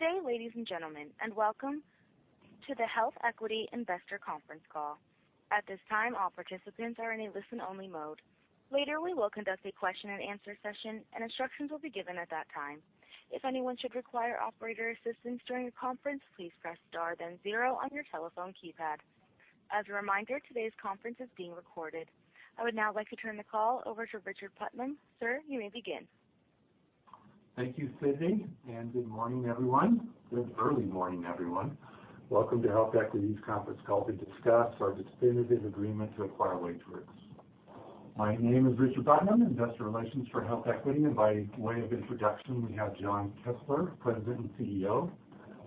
Good day, ladies and gentlemen, welcome to the HealthEquity investor conference call. At this time, all participants are in a listen-only mode. Later, we will conduct a question and answer session, instructions will be given at that time. If anyone should require operator assistance during the conference, please press star then zero on your telephone keypad. As a reminder, today's conference is being recorded. I would now like to turn the call over to Richard Putnam. Sir, you may begin. Thank you, Sydney, good morning, everyone. Good early morning, everyone. Welcome to HealthEquity's conference call to discuss our definitive agreement to acquire WageWorks. My name is Richard Putnam, investor relations for HealthEquity, by way of introduction, we have Jon Kessler, President and CEO,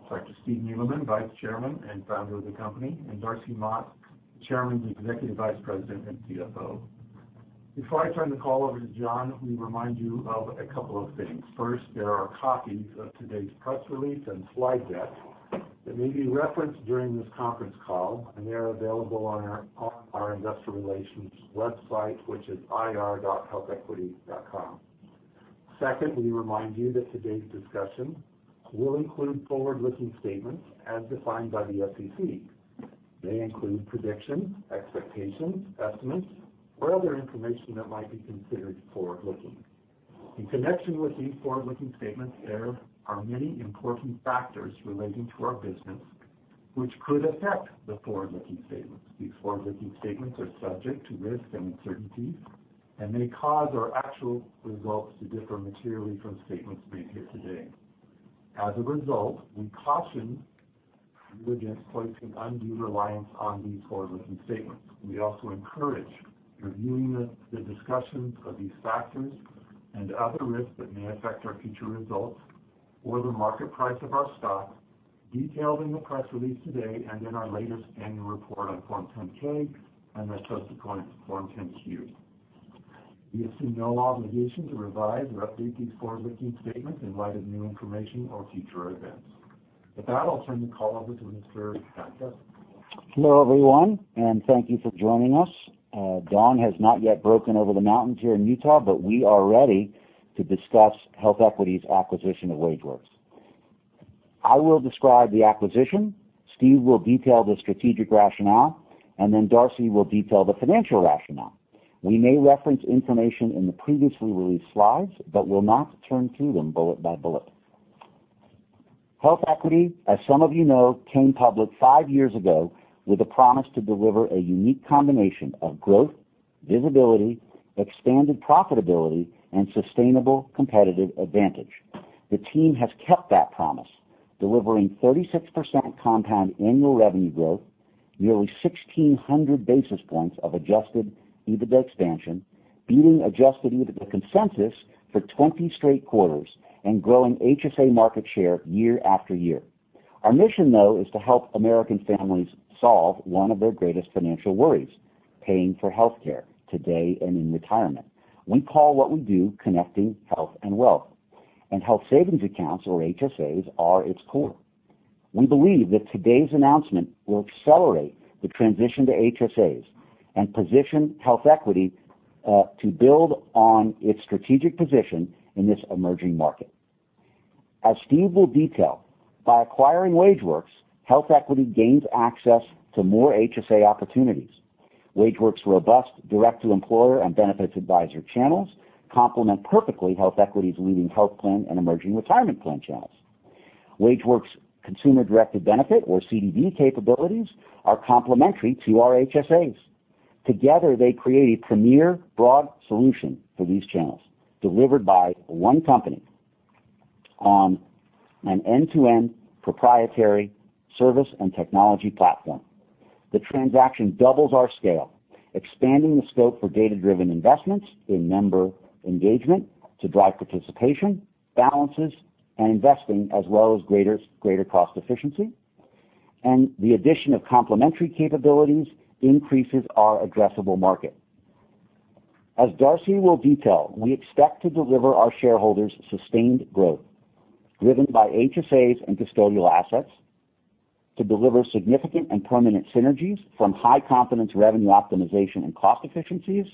Dr. Stephen Neeleman, Vice Chairman and founder of the company, and Darcy Mott, Chairman, Executive Vice President, and CFO. Before I turn the call over to Jon, let me remind you of a couple of things. First, there are copies of today's press release and slide deck that may be referenced during this conference call, they are available on our investor relations website, which is ir.healthequity.com. Second, let me remind you that today's discussion will include forward-looking statements as defined by the SEC. They include predictions, expectations, estimates, or other information that might be considered forward-looking. In connection with these forward-looking statements, there are many important factors relating to our business, which could affect the forward-looking statements. These forward-looking statements are subject to risks and uncertainties may cause our actual results to differ materially from statements made here today. As a result, we caution you against placing undue reliance on these forward-looking statements. We also encourage reviewing the discussions of these factors and other risks that may affect our future results or the market price of our stock, detailed in the press release today and in our latest annual report on Form 10-K and the corresponding Form 10-Q. We assume no obligation to revise or update these forward-looking statements in light of new information or future events. With that, I'll turn the call over to Mr. Jon Kessler. Hello, everyone, thank you for joining us. Dawn has not yet broken over the mountains here in Utah, we are ready to discuss HealthEquity's acquisition of WageWorks. I will describe the acquisition, Steve will detail the strategic rationale, Darcy will detail the financial rationale. We may reference information in the previously released slides will not turn to them bullet by bullet. HealthEquity, as some of you know, came public five years ago with a promise to deliver a unique combination of growth, visibility, expanded profitability, and sustainable competitive advantage. The team has kept that promise, delivering 36% compound annual revenue growth, nearly 1,600 basis points of adjusted EBITDA expansion, beating adjusted EBITDA consensus for 20 straight quarters, growing HSA market share year after year. Our mission, though, is to help U.S. families solve one of their greatest financial worries: paying for healthcare today and in retirement. We call what we do connecting health and wealth, and Health Savings Accounts, or HSAs, are its core. We believe that today's announcement will accelerate the transition to HSAs and position HealthEquity to build on its strategic position in this emerging market. As Steve will detail, by acquiring WageWorks, HealthEquity gains access to more HSA opportunities. WageWorks' robust direct-to-employer and benefits advisory channels complement perfectly HealthEquity's leading health plan and emerging retirement plan channels. WageWorks Consumer-Directed Benefit, or CDB capabilities, are complementary to our HSAs. Together, they create a premier broad solution for these channels, delivered by one company on an end-to-end proprietary service and technology platform. The transaction doubles our scale, expanding the scope for data-driven investments in member engagement to drive participation, balances, and investing, as well as greater cost efficiency. The addition of complementary capabilities increases our addressable market. As Darcy will detail, we expect to deliver our shareholders sustained growth driven by HSAs and custodial assets to deliver significant and permanent synergies from high-confidence revenue optimization and cost efficiencies,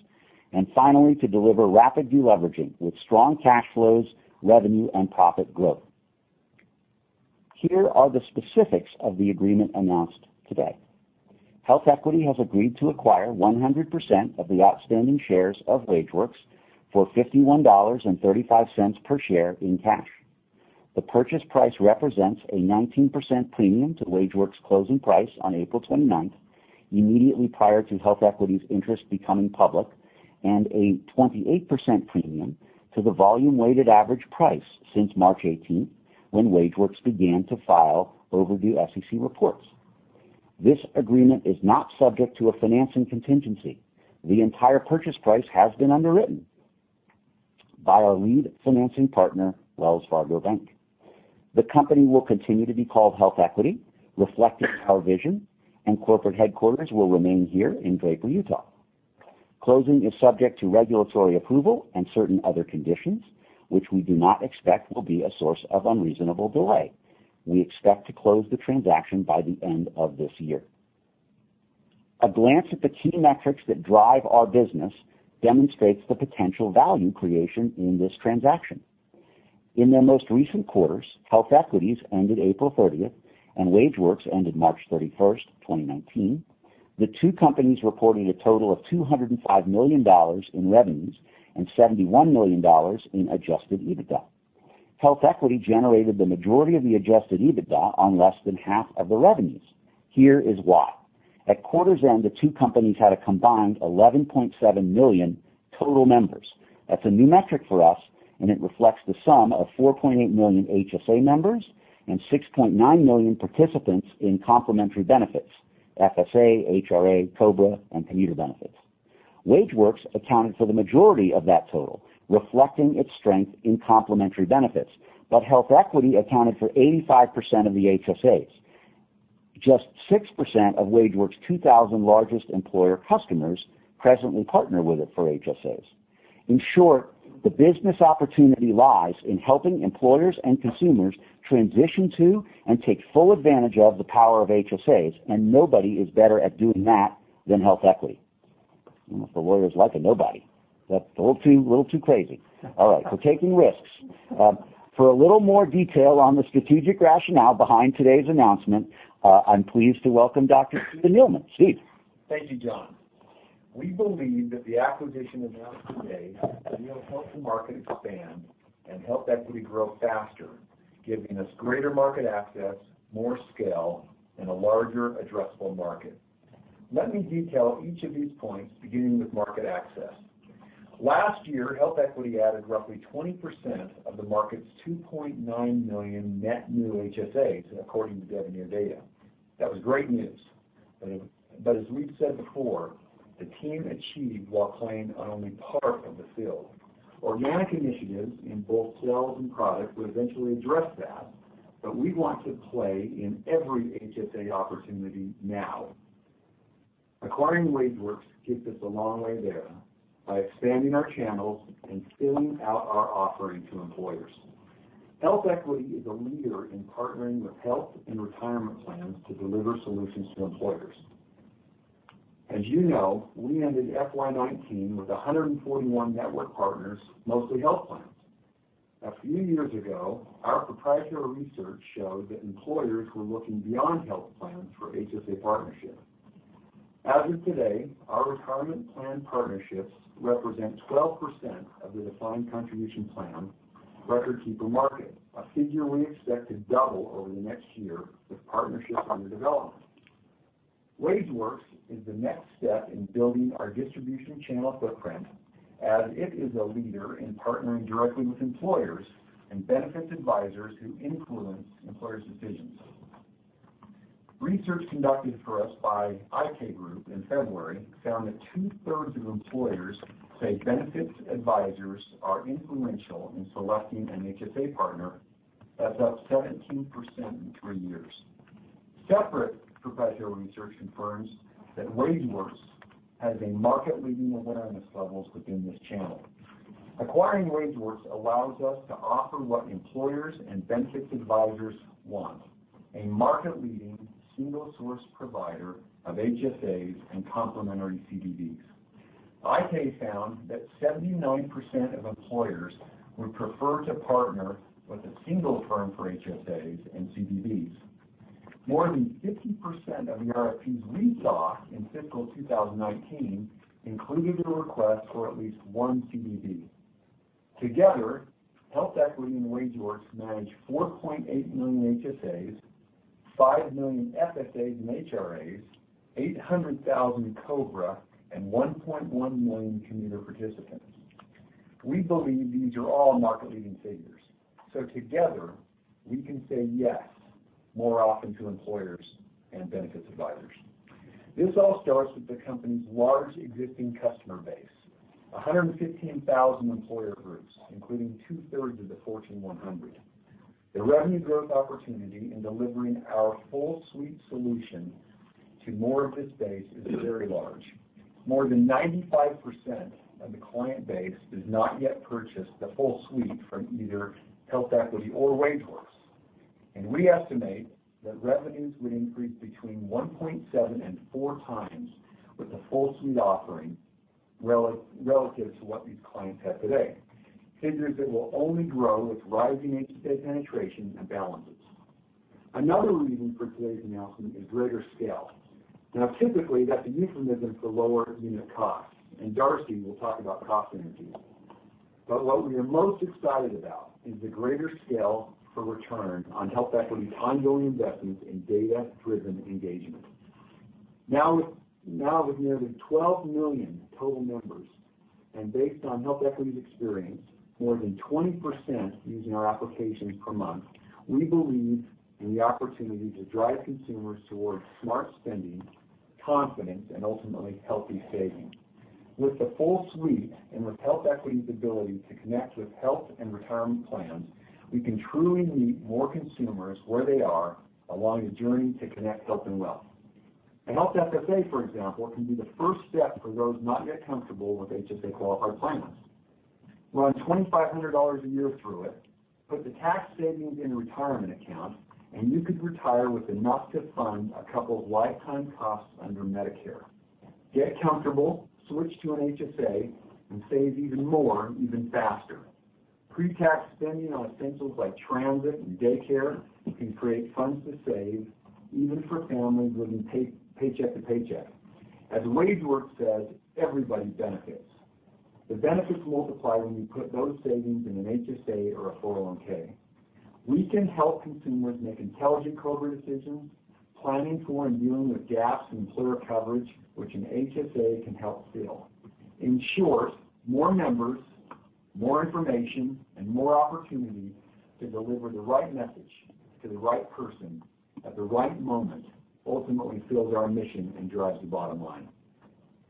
and finally, to deliver rapid deleveraging with strong cash flows, revenue, and profit growth. Here are the specifics of the agreement announced today. HealthEquity has agreed to acquire 100% of the outstanding shares of WageWorks for $51.35 per share in cash. The purchase price represents a 19% premium to WageWorks' closing price on April 29th, immediately prior to HealthEquity's interest becoming public, and a 28% premium to the volume-weighted average price since March 18th, when WageWorks began to file overdue SEC reports. This agreement is not subject to a financing contingency. The entire purchase price has been underwritten by our lead financing partner, Wells Fargo Bank. The company will continue to be called HealthEquity, reflecting our vision, and corporate headquarters will remain here in Draper, Utah. Closing is subject to regulatory approval and certain other conditions, which we do not expect will be a source of unreasonable delay. We expect to close the transaction by the end of this year. A glance at the key metrics that drive our business demonstrates the potential value creation in this transaction. In their most recent quarters, HealthEquity's ended April 30th, and WageWorks ended March 31st, 2019. The two companies reported a total of $205 million in revenues and $71 million in adjusted EBITDA. HealthEquity generated the majority of the adjusted EBITDA on less than half of the revenues. Here is why. At quarter's end, the two companies had a combined 11.7 million total members. That's a new metric for us, and it reflects the sum of 4.8 million HSA members and 6.9 million participants in complementary benefits: FSA, HRA, COBRA, and commuter benefits. WageWorks accounted for the majority of that total, reflecting its strength in complementary benefits. HealthEquity accounted for 85% of the HSAs. Just 6% of WageWorks' 2,000 largest employer customers presently partner with it for HSAs. In short, the business opportunity lies in helping employers and consumers transition to and take full advantage of the power of HSAs, and nobody is better at doing that than HealthEquity. I don't know if the lawyers like a nobody. That's a little too crazy. All right, we're taking risks. For a little more detail on the strategic rationale behind today's announcement, I'm pleased to welcome Dr. Stephen Neeleman. Steve? Thank you, John. We believe that the acquisition announced today will help the market expand and HealthEquity grow faster, giving us greater market access, more scale, and a larger addressable market. Let me detail each of these points, beginning with market access. Last year, HealthEquity added roughly 20% of the market's 2.9 million net new HSAs, according to Devenir data. That was great news. As we've said before, the team achieved while playing on only part of the field. Organic initiatives in both sales and product will eventually address that, but we want to play in every HSA opportunity now. Acquiring WageWorks takes us a long way there by expanding our channels and filling out our offering to employers. HealthEquity is a leader in partnering with health and retirement plans to deliver solutions to employers. As you know, we ended FY 2019 with 141 network partners, mostly health plans. A few years ago, our proprietary research showed that employers were looking beyond health plans for HSA partnership. As of today, our retirement plan partnerships represent 12% of the defined contribution plan, record keeper market, a figure we expect to double over the next year with partnerships under development. WageWorks is the next step in building our distribution channel footprint, as it is a leader in partnering directly with employers and benefits advisors who influence employers' decisions. Research conducted for us by iK Group in February found that two-thirds of employers say benefits advisors are influential in selecting an HSA partner. That's up 17% in three years. Separate proprietary research confirms that WageWorks has market-leading awareness levels within this channel. Acquiring WageWorks allows us to offer what employers and benefits advisors want: a market-leading single-source provider of HSAs and complementary CDBs. iK found that 79% of employers would prefer to partner with a single firm for HSAs and CDBs. More than 50% of RFPs we saw in fiscal 2019 included a request for at least one CDB. Together, HealthEquity and WageWorks manage 4.8 million HSAs, 5 million FSAs and HRAs, 800,000 COBRA, and 1.1 million commuter participants. We believe these are all market-leading figures. Together, we can say yes more often to employers and benefits advisors. This all starts with the company's large existing customer base, 115,000 employer groups, including two-thirds of the Fortune 100. The revenue growth opportunity in delivering our full suite solution to more of this base is very large. More than 95% of the client base does not yet purchase the full suite from either HealthEquity or WageWorks. We estimate that revenues would increase between 1.7 and four times with the full suite offering relative to what these clients have today, figures that will only grow with rising HSA penetration and balances. Another reason for today's announcement is greater scale. Now, typically, that's a euphemism for lower unit costs, and Darcy will talk about cost synergies. What we are most excited about is the greater scale for return on HealthEquity's ongoing investments in data-driven engagement. Now with nearly 12 million total members and based on HealthEquity's experience, more than 20% using our applications per month, we believe in the opportunity to drive consumers towards smart spending, confidence, and ultimately healthy savings. With the full suite and with HealthEquity's ability to connect with health and retirement plans, we can truly meet more consumers where they are along the journey to connect health and wealth. A health FSA, for example, can be the first step for those not yet comfortable with HSA-qualified plans. Run $2,500 a year through it, put the tax savings in a retirement account, and you could retire with enough to fund a couple of lifetime costs under Medicare. Get comfortable, switch to an HSA, and save even more, even faster. Pre-tax spending on essentials like transit and daycare can create funds to save even for families living paycheck to paycheck. As WageWorks says, everybody benefits. The benefits multiply when you put those savings in an HSA or a 401(k). We can help consumers make intelligent COBRA decisions, planning for and dealing with gaps in employer coverage, which an HSA can help fill. In short, more members, more information, and more opportunity to deliver the right message to the right person at the right moment ultimately fuels our mission and drives the bottom line.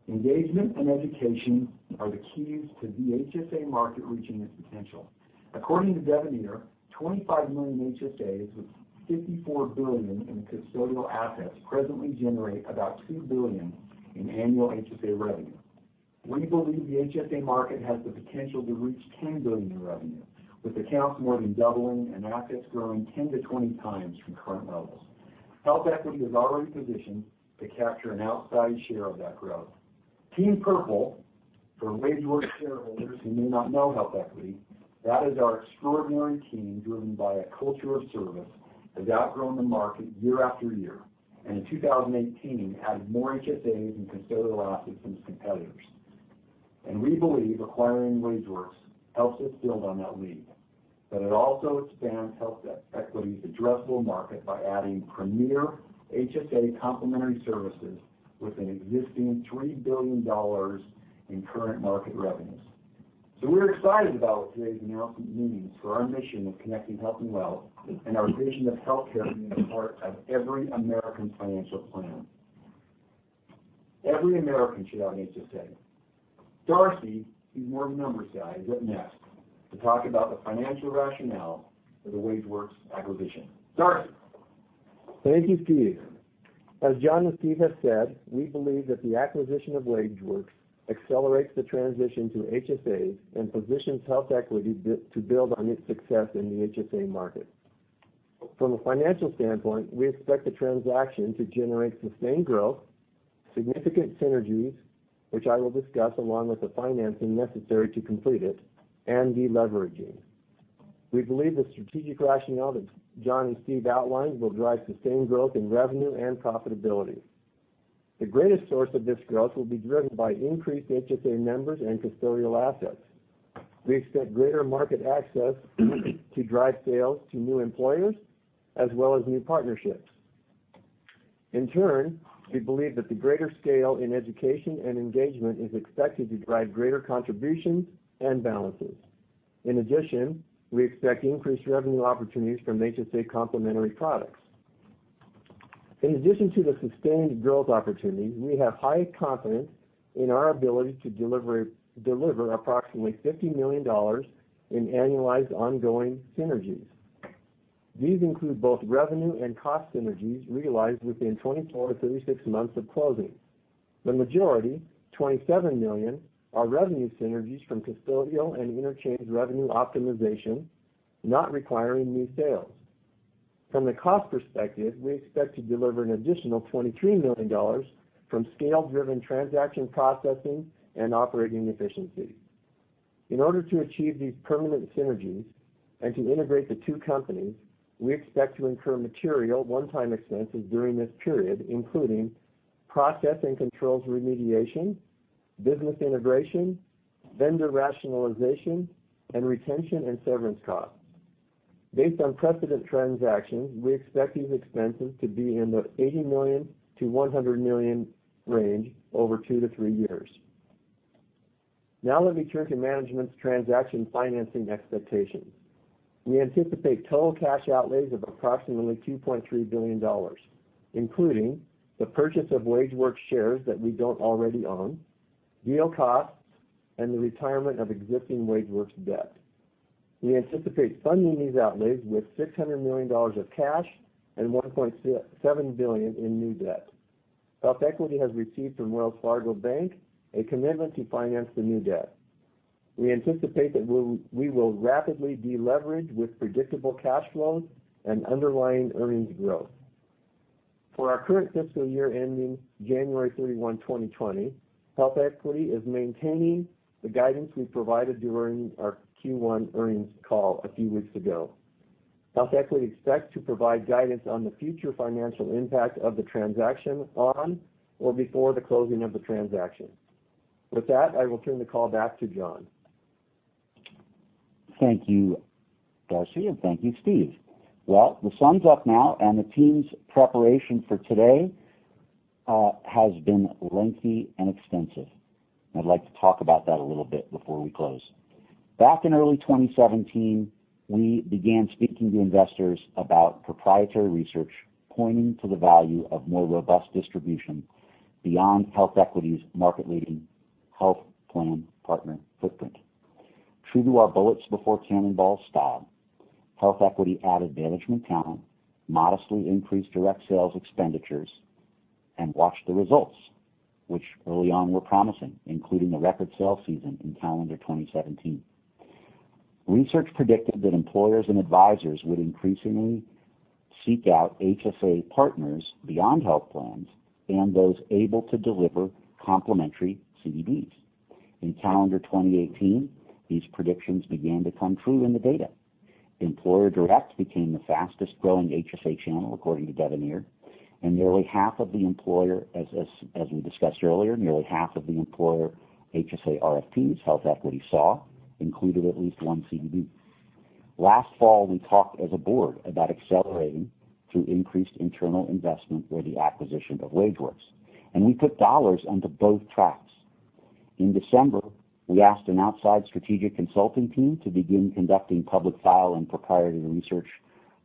Engagement and education are the keys to the HSA market reaching its potential. According to Devenir, 25 million HSAs with $54 billion in custodial assets presently generate about $2 billion in annual HSA revenue. We believe the HSA market has the potential to reach $10 billion in revenue, with accounts more than doubling and assets growing 10 to 20 times from current levels. HealthEquity is already positioned to capture an outsized share of that growth. Team Purple, for WageWorks shareholders who may not know HealthEquity, that is our extraordinary team driven by a culture of service, has outgrown the market year after year, and in 2018, added more HSAs and custodial assets than its competitors. We believe acquiring WageWorks helps us build on that lead. It also expands HealthEquity's addressable market by adding premier HSA complementary services with an existing $3 billion in current market revenues. We're excited about what today's announcement means for our mission of connecting health and wealth and our vision of healthcare being a part of every American financial plan. Every American should have an HSA. Darcy, who's more of a numbers guy, is up next to talk about the financial rationale for the WageWorks acquisition. Darcy? Thank you, Steve. As Jon and Steve have said, we believe that the acquisition of WageWorks accelerates the transition to HSAs and positions HealthEquity to build on its success in the HSA market. From a financial standpoint, we expect the transaction to generate sustained growth, significant synergies, which I will discuss along with the financing necessary to complete it, and deleveraging. We believe the strategic rationale that Jon and Steve outlined will drive sustained growth in revenue and profitability. The greatest source of this growth will be driven by increased HSA members and custodial assets. We expect greater market access to drive sales to new employers, as well as new partnerships. In turn, we believe that the greater scale in education and engagement is expected to drive greater contributions and balances. In addition, we expect increased revenue opportunities from HSA complementary products. In addition to the sustained growth opportunities, we have high confidence in our ability to deliver approximately $50 million in annualized ongoing synergies. These include both revenue and cost synergies realized within 24 to 36 months of closing. The majority, $27 million, are revenue synergies from custodial and interchange revenue optimization, not requiring new sales. From the cost perspective, we expect to deliver an additional $23 million from scale-driven transaction processing and operating efficiencies. In order to achieve these permanent synergies and to integrate the two companies, we expect to incur material one-time expenses during this period, including process and controls remediation, business integration, vendor rationalization, and retention and severance costs. Based on precedent transactions, we expect these expenses to be in the $80 million-$100 million range over two to three years. Let me turn to management's transaction financing expectations. We anticipate total cash outlays of approximately $2.3 billion, including the purchase of WageWorks shares that we don't already own, deal costs, and the retirement of existing WageWorks debt. We anticipate funding these outlays with $600 million of cash and $1.7 billion in new debt. HealthEquity has received from Wells Fargo Bank a commitment to finance the new debt. We anticipate that we will rapidly deleverage with predictable cash flows and underlying earnings growth. For our current fiscal year ending January 31, 2020, HealthEquity is maintaining the guidance we provided during our Q1 earnings call a few weeks ago. HealthEquity expects to provide guidance on the future financial impact of the transaction on or before the closing of the transaction. With that, I will turn the call back to Jon. Thank you, Darcy, and thank you, Steve. Well, the sun's up now. The team's preparation for today has been lengthy and extensive. I'd like to talk about that a little bit before we close. Back in early 2017, we began speaking to investors about proprietary research pointing to the value of more robust distribution beyond HealthEquity's market-leading health plan partner footprint. True to our bullets before cannonball style, HealthEquity added management talent, modestly increased direct sales expenditures Watch the results, which early on were promising, including a record sales season in calendar 2017. Research predicted that employers and advisors would increasingly seek out HSA partners beyond health plans and those able to deliver complementary CDBs. In calendar 2018, these predictions began to come true in the data. Employer Direct became the fastest growing HSA channel, according to Devenir. As we discussed earlier, nearly half of the employer HSA RFPs HealthEquity saw included at least one CDB. Last fall, we talked as a board about accelerating through increased internal investment or the acquisition of WageWorks. We put dollars onto both tracks. In December, we asked an outside strategic consulting team to begin conducting public file and proprietary research,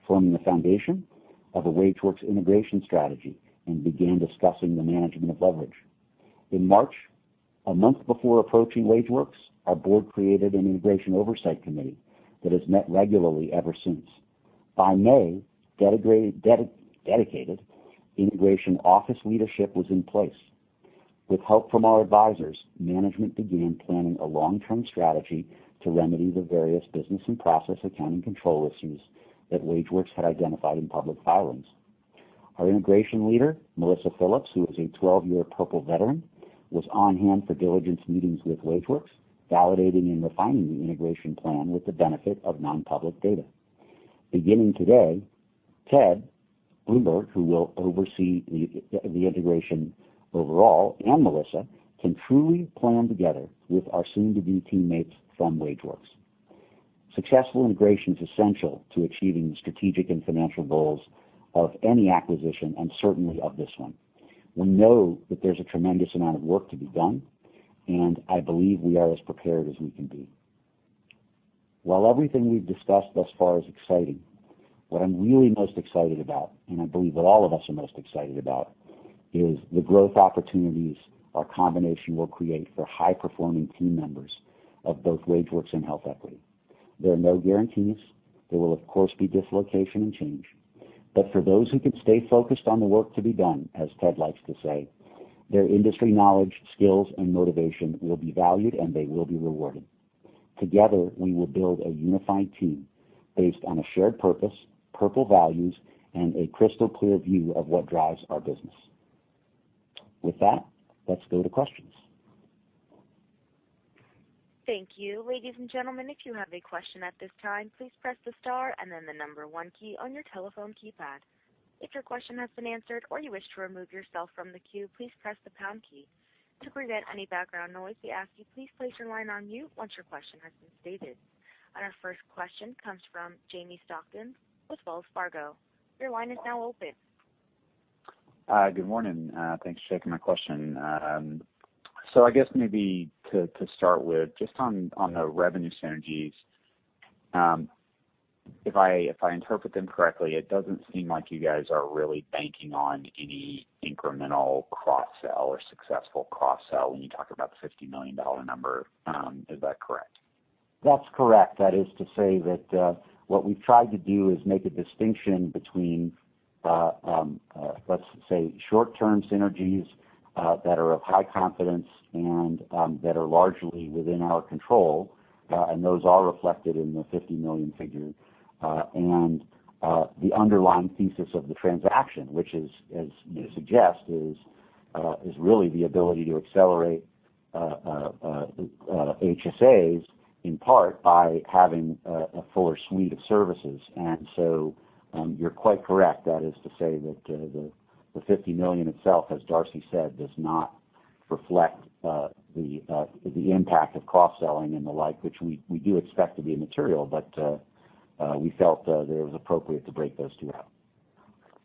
forming the foundation of a WageWorks integration strategy, and began discussing the management of leverage. In March, a month before approaching WageWorks, our board created an integration oversight committee that has met regularly ever since. By May, dedicated integration office leadership was in place. With help from our advisors, management began planning a long-term strategy to remedy the various business and process accounting control issues that WageWorks had identified in public filings. Our integration leader, Melissa Phillips, who is a 12-year Purple veteran, was on hand for diligence meetings with WageWorks, validating and refining the integration plan with the benefit of non-public data. Beginning today, Ted Bloomberg, who will oversee the integration overall, and Melissa can truly plan together with our soon-to-be teammates from WageWorks. Successful integration is essential to achieving the strategic and financial goals of any acquisition and certainly of this one. We know that there's a tremendous amount of work to be done, and I believe we are as prepared as we can be. While everything we've discussed thus far is exciting, what I'm really most excited about, and I believe what all of us are most excited about, is the growth opportunities our combination will create for high-performing team members of both WageWorks and HealthEquity. There are no guarantees. There will, of course, be dislocation and change. For those who can stay focused on the work to be done, as Ted likes to say, their industry knowledge, skills, and motivation will be valued, and they will be rewarded. Together, we will build a unified team based on a shared purpose, Purple values, and a crystal-clear view of what drives our business. With that, let's go to questions. Thank you. Ladies and gentlemen, if you have a question at this time, please press the star and then the number 1 key on your telephone keypad. If your question has been answered or you wish to remove yourself from the queue, please press the pound key. To prevent any background noise, we ask you please place your line on mute once your question has been stated. Our first question comes from Jamie Stockton with Wells Fargo. Your line is now open. Hi. Good morning. Thanks for taking my question. I guess maybe to start with, just on the revenue synergies, if I interpret them correctly, it doesn't seem like you guys are really banking on any incremental cross-sell or successful cross-sell when you talk about the $50 million number. Is that correct? That's correct. That is to say that what we've tried to do is make a distinction between, let's say, short-term synergies that are of high confidence and that are largely within our control, and those are reflected in the $50 million figure. The underlying thesis of the transaction, which is as you suggest, is really the ability to accelerate HSAs, in part, by having a fuller suite of services. You're quite correct. That is to say that the $50 million itself, as Darcy said, does not reflect the impact of cross-selling and the like, which we do expect to be material, but we felt that it was appropriate to break those two out.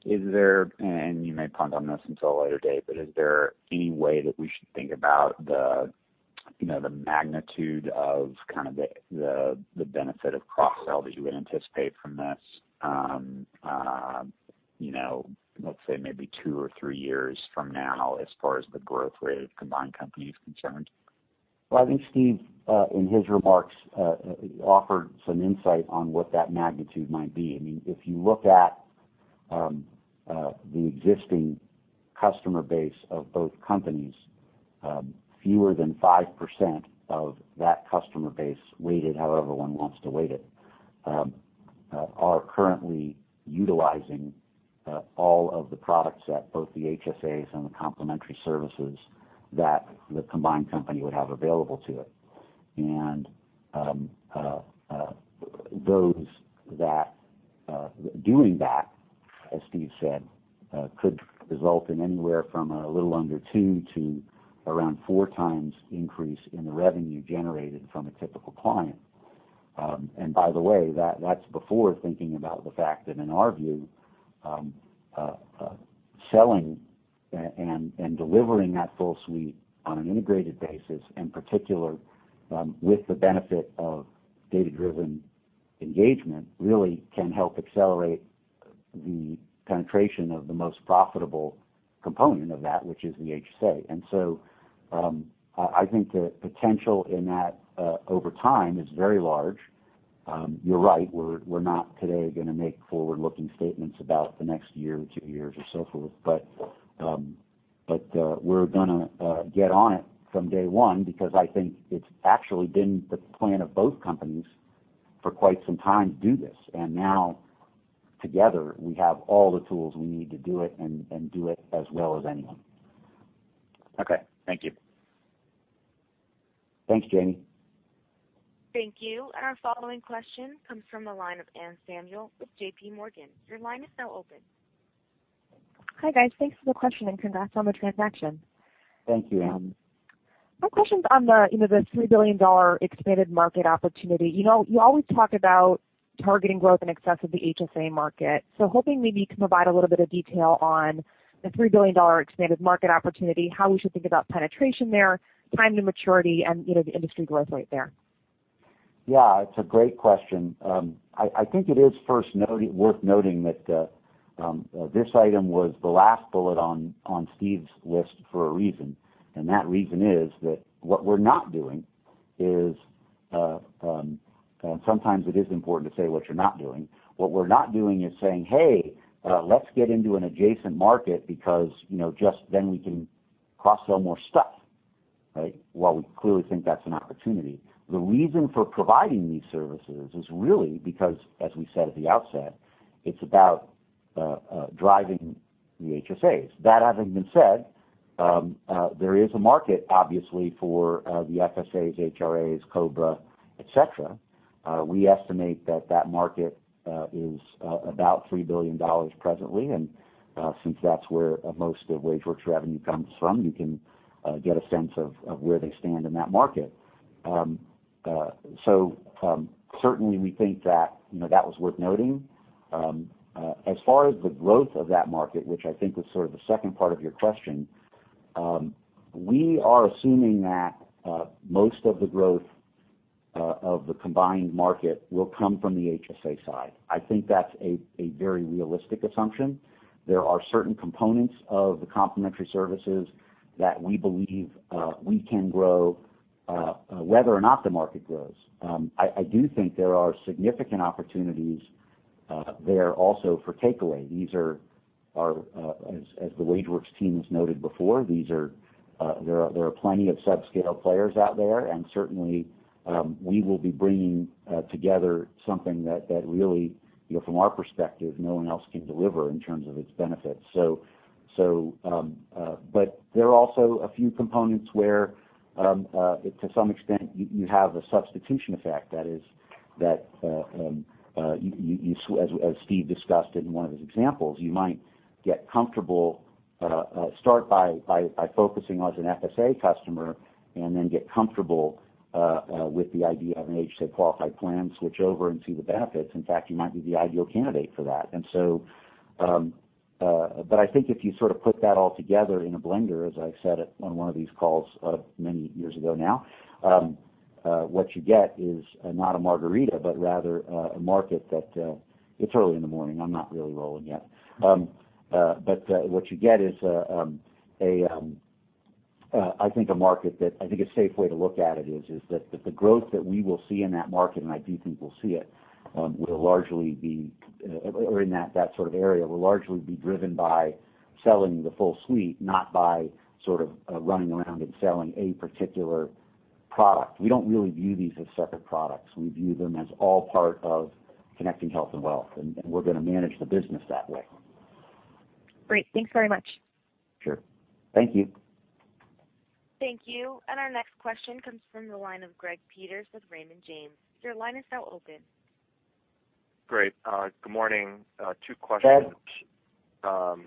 Is there, and you may punt on this until a later date, but is there any way that we should think about the magnitude of the benefit of cross-sell that you would anticipate from this, let's say maybe two or three years from now, as far as the growth rate of combined company is concerned? Well, I think Steve, in his remarks, offered some insight on what that magnitude might be. If you look at the existing customer base of both companies, fewer than 5% of that customer base, weighted however one wants to weight it, are currently utilizing all of the products that both the HSAs and the complementary services that the combined company would have available to it. Those doing that, as Steve said, could result in anywhere from a little under two to around four times increase in the revenue generated from a typical client. By the way, that's before thinking about the fact that in our view, selling and delivering that full suite on an integrated basis, in particular, with the benefit of data-driven engagement, really can help accelerate the penetration of the most profitable component of that, which is the HSA. I think the potential in that over time is very large. You're right. We're not today going to make forward-looking statements about the next year or two years or so forth. We're going to get on it from day one, because I think it's actually been the plan of both companies for quite some time to do this. Now together, we have all the tools we need to do it, and do it as well as anyone. Okay. Thank you. Thanks, Jamie. Thank you. Our following question comes from the line of Anne Samuel with J.P. Morgan. Your line is now open. Hi, guys. Thanks for the question, and congrats on the transaction. Thank you, Anne. My question's on the $3 billion expanded market opportunity. You always talk about targeting growth in excess of the HSA market. Hoping maybe you can provide a little bit of detail on the $3 billion expanded market opportunity, how we should think about penetration there, time to maturity, and the industry growth rate there. Yeah, it's a great question. I think it is first worth noting that this item was the last bullet on Steve's list for a reason. That reason is that what we're not doing is, and sometimes it is important to say what you're not doing. What we're not doing is saying, "Hey, let's get into an adjacent market because, just then we can cross-sell more stuff." Right? While we clearly think that's an opportunity. The reason for providing these services is really because, as we said at the outset, it's about driving the HSAs. That having been said, there is a market, obviously, for the FSAs, HRAs, COBRA, et cetera. We estimate that that market is about $3 billion presently, and since that's where most of WageWorks' revenue comes from, you can get a sense of where they stand in that market. Certainly, we think that was worth noting. As far as the growth of that market, which I think is sort of the second part of your question, we are assuming that most of the growth of the combined market will come from the HSA side. I think that's a very realistic assumption. There are certain components of the complementary services that we believe we can grow whether or not the market grows. I do think there are significant opportunities there also for takeaway. These are, as the WageWorks team has noted before, there are plenty of subscale players out there, and certainly, we will be bringing together something that really, from our perspective, no one else can deliver in terms of its benefits. There are also a few components where to some extent, you have a substitution effect. That is that, as Steve discussed in one of his examples, you might start by focusing on an FSA customer and then get comfortable with the idea of an HSA-qualified plan, switch over, and see the benefits. In fact, you might be the ideal candidate for that. I think if you sort of put that all together in a blender, as I've said it on one of these calls many years ago now, what you get is not a margarita, but rather a market. What you get is, I think a safe way to look at it is that the growth that we will see in that market, and I do think we'll see it, or in that sort of area, will largely be driven by selling the full suite, not by sort of running around and selling a particular product. We don't really view these as separate products. We view them as all part of connecting health and wealth, and we're going to manage the business that way. Great. Thanks very much. Sure. Thank you. Thank you. Our next question comes from the line of Greg Peters with Raymond James. Your line is now open. Great. Good morning. Two questions. Greg.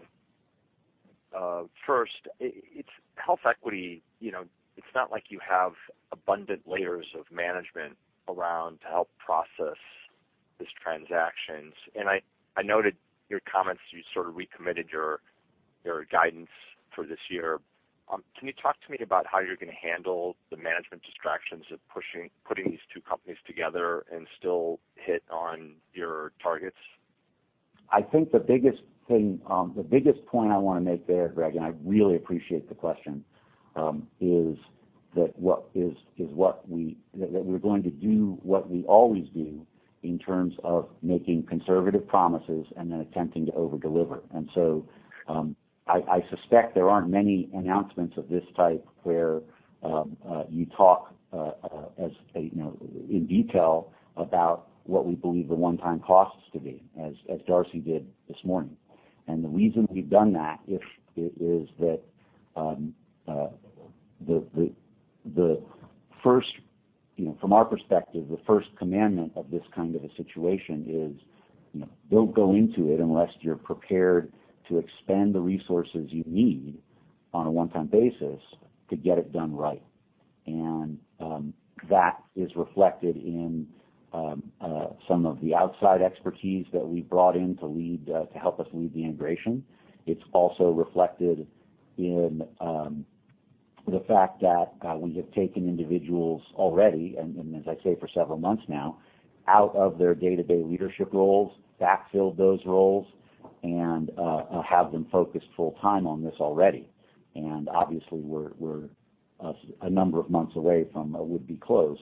First, HealthEquity, it's not like you have abundant layers of management around to help process these transactions. I noted your comments, you sort of recommitted your guidance for this year. Can you talk to me about how you're going to handle the management distractions of putting these two companies together and still hit on your targets? I think the biggest point I want to make there, Greg, I really appreciate the question, is that we're going to do what we always do in terms of making conservative promises and then attempting to over-deliver. I suspect there aren't many announcements of this type where you talk in detail about what we believe the one-time costs to be, as Darcy did this morning. The reason we've done that is that from our perspective, the first commandment of this kind of a situation is, don't go into it unless you're prepared to expend the resources you need on a one-time basis to get it done right. That is reflected in some of the outside expertise that we brought in to help us lead the integration. It's also reflected in the fact that we have taken individuals already, and as I say, for several months now, out of their day-to-day leadership roles, backfilled those roles, and have them focused full time on this already. Obviously, we're a number of months away from a would-be close.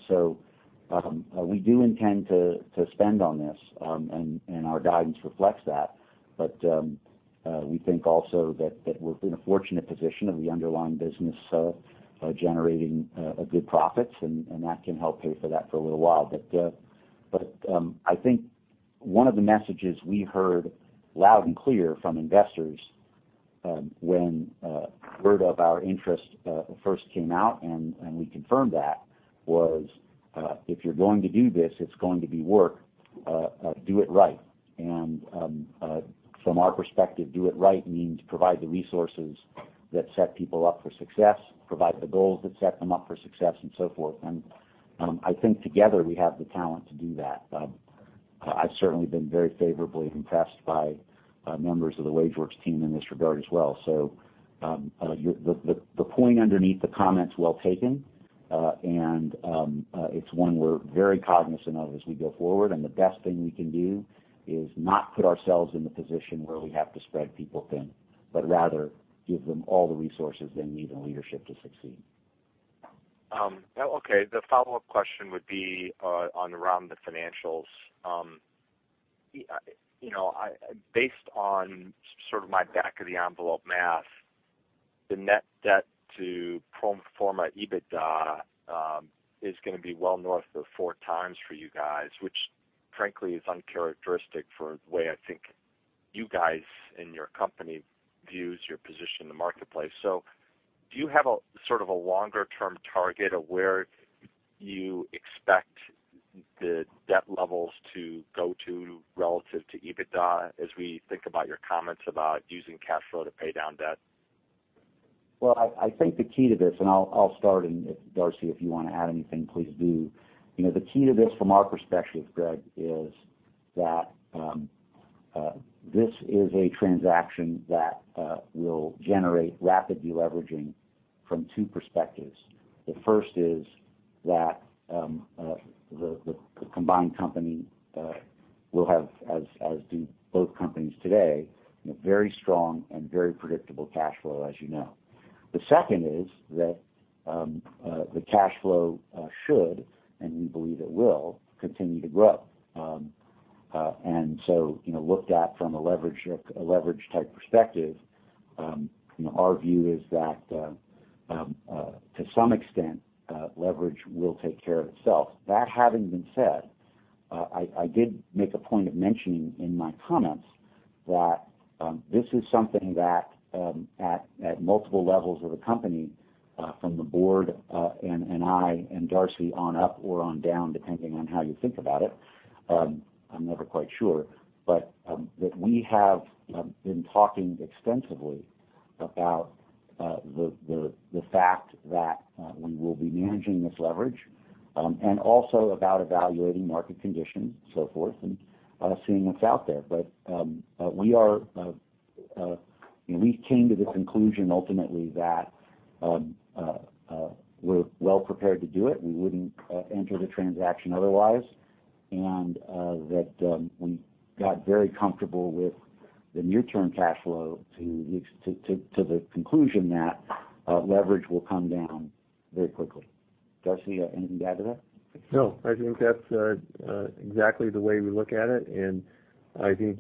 We do intend to spend on this, and our guidance reflects that. We think also that we're in a fortunate position of the underlying business generating good profits, and that can help pay for that for a little while. I think one of the messages we heard loud and clear from investors when word of our interest first came out, and we confirmed that was, "If you're going to do this, it's going to be work, do it right." From our perspective, do it right means provide the resources that set people up for success, provide the goals that set them up for success, and so forth. I think together, we have the talent to do that. I've certainly been very favorably impressed by members of the WageWorks team in this regard as well. The point underneath the comment's well taken, and it's one we're very cognizant of as we go forward. The best thing we can do is not put ourselves in the position where we have to spread people thin, but rather give them all the resources they need and leadership to succeed. Okay. The follow-up question would be on around the financials. Based on my back-of-the-envelope math, the net debt to pro forma EBITDA is going to be well north of four times for you guys, which frankly is uncharacteristic for the way I think you guys and your company views your position in the marketplace. Do you have a longer-term target of where you expect the debt levels to go to relative to EBITDA, as we think about your comments about using cash flow to pay down debt? Well, I think the key to this, I'll start, and Darcy, if you want to add anything, please do. The key to this from our perspective, Greg, is that this is a transaction that will generate rapid deleveraging from two perspectives. The first is that the combined company will have, as do both companies today, very strong and very predictable cash flow, as you know. The second is that the cash flow should, and we believe it will, continue to grow. Looked at from a leverage-type perspective, our view is that to some extent, leverage will take care of itself. That having been said, I did make a point of mentioning in my comments that this is something that at multiple levels of the company from the board and I and Darcy on up or on down, depending on how you think about it, I'm never quite sure, but that we have been talking extensively about the fact that we will be managing this leverage. Also about evaluating market conditions, so forth, and seeing what's out there. We came to the conclusion ultimately that we're well prepared to do it. We wouldn't enter the transaction otherwise. We got very comfortable with the near-term cash flow to the conclusion that leverage will come down very quickly. Darcy, anything to add to that? No, I think that's exactly the way we look at it. I think,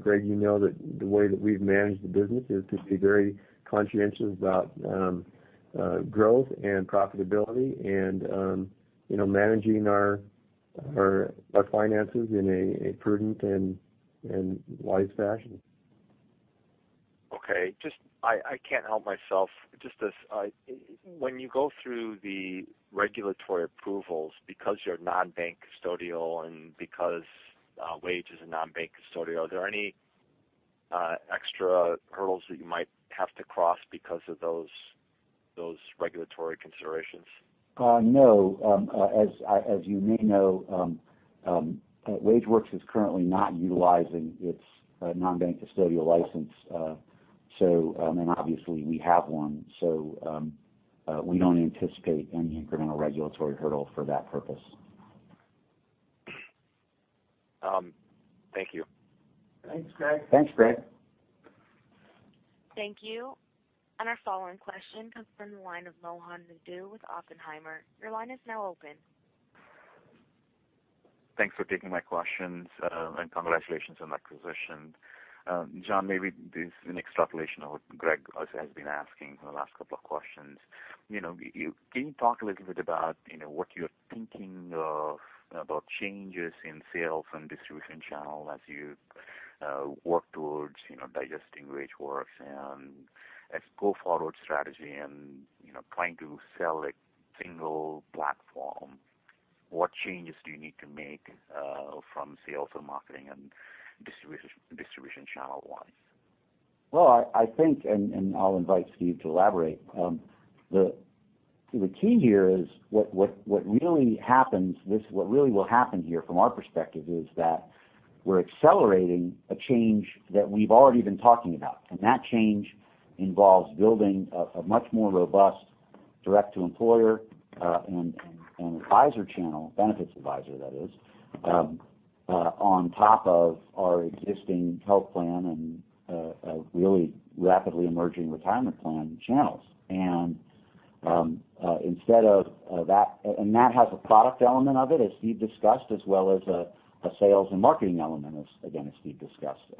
Greg, you know that the way that we've managed the business is to be very conscientious about growth and profitability and managing our finances in a prudent and wise fashion. Okay. I can't help myself. When you go through the regulatory approvals because you're non-bank custodial and because Wage is a non-bank custodial, are there any extra hurdles that you might have to cross because of those regulatory considerations? No. As you may know, WageWorks is currently not utilizing its non-bank custodial license. Obviously, we have one. We don't anticipate any incremental regulatory hurdle for that purpose. Thank you. Thanks, Greg. Thanks, Greg. Thank you. Our following question comes from the line of Mohan Naidu with Oppenheimer. Your line is now open. Thanks for taking my questions, and congratulations on the acquisition. Jon, maybe this is an extrapolation of what Greg has been asking for the last couple of questions. Can you talk a little bit about what you're thinking about changes in sales and distribution channel as you work towards digesting WageWorks and as go-forward strategy and trying to sell a single platform. What changes do you need to make from sales and marketing and distribution channel-wise? Well, I think, and I'll invite Stephen to elaborate. The key here is what really will happen here from our perspective is that we're accelerating a change that we've already been talking about. That change involves building a much more robust Direct to employer and advisor channel, benefits advisor that is, on top of our existing health plan and a really rapidly emerging retirement plan channels. That has a product element of it, as Stephen discussed, as well as a sales and marketing element, again, as Stephen discussed.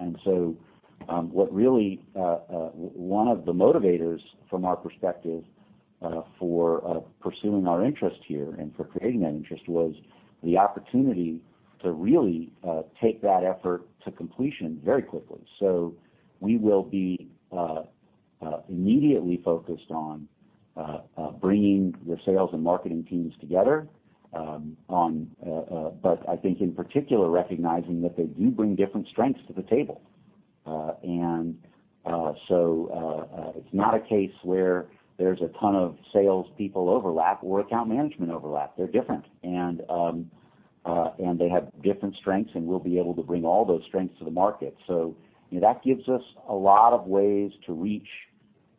One of the motivators from our perspective for pursuing our interest here and for creating that interest was the opportunity to really take that effort to completion very quickly. We will be immediately focused on bringing the sales and marketing teams together, but I think in particular, recognizing that they do bring different strengths to the table. It's not a case where there's a ton of salespeople overlap or account management overlap. They're different and they have different strengths, and we'll be able to bring all those strengths to the market. That gives us a lot of ways to reach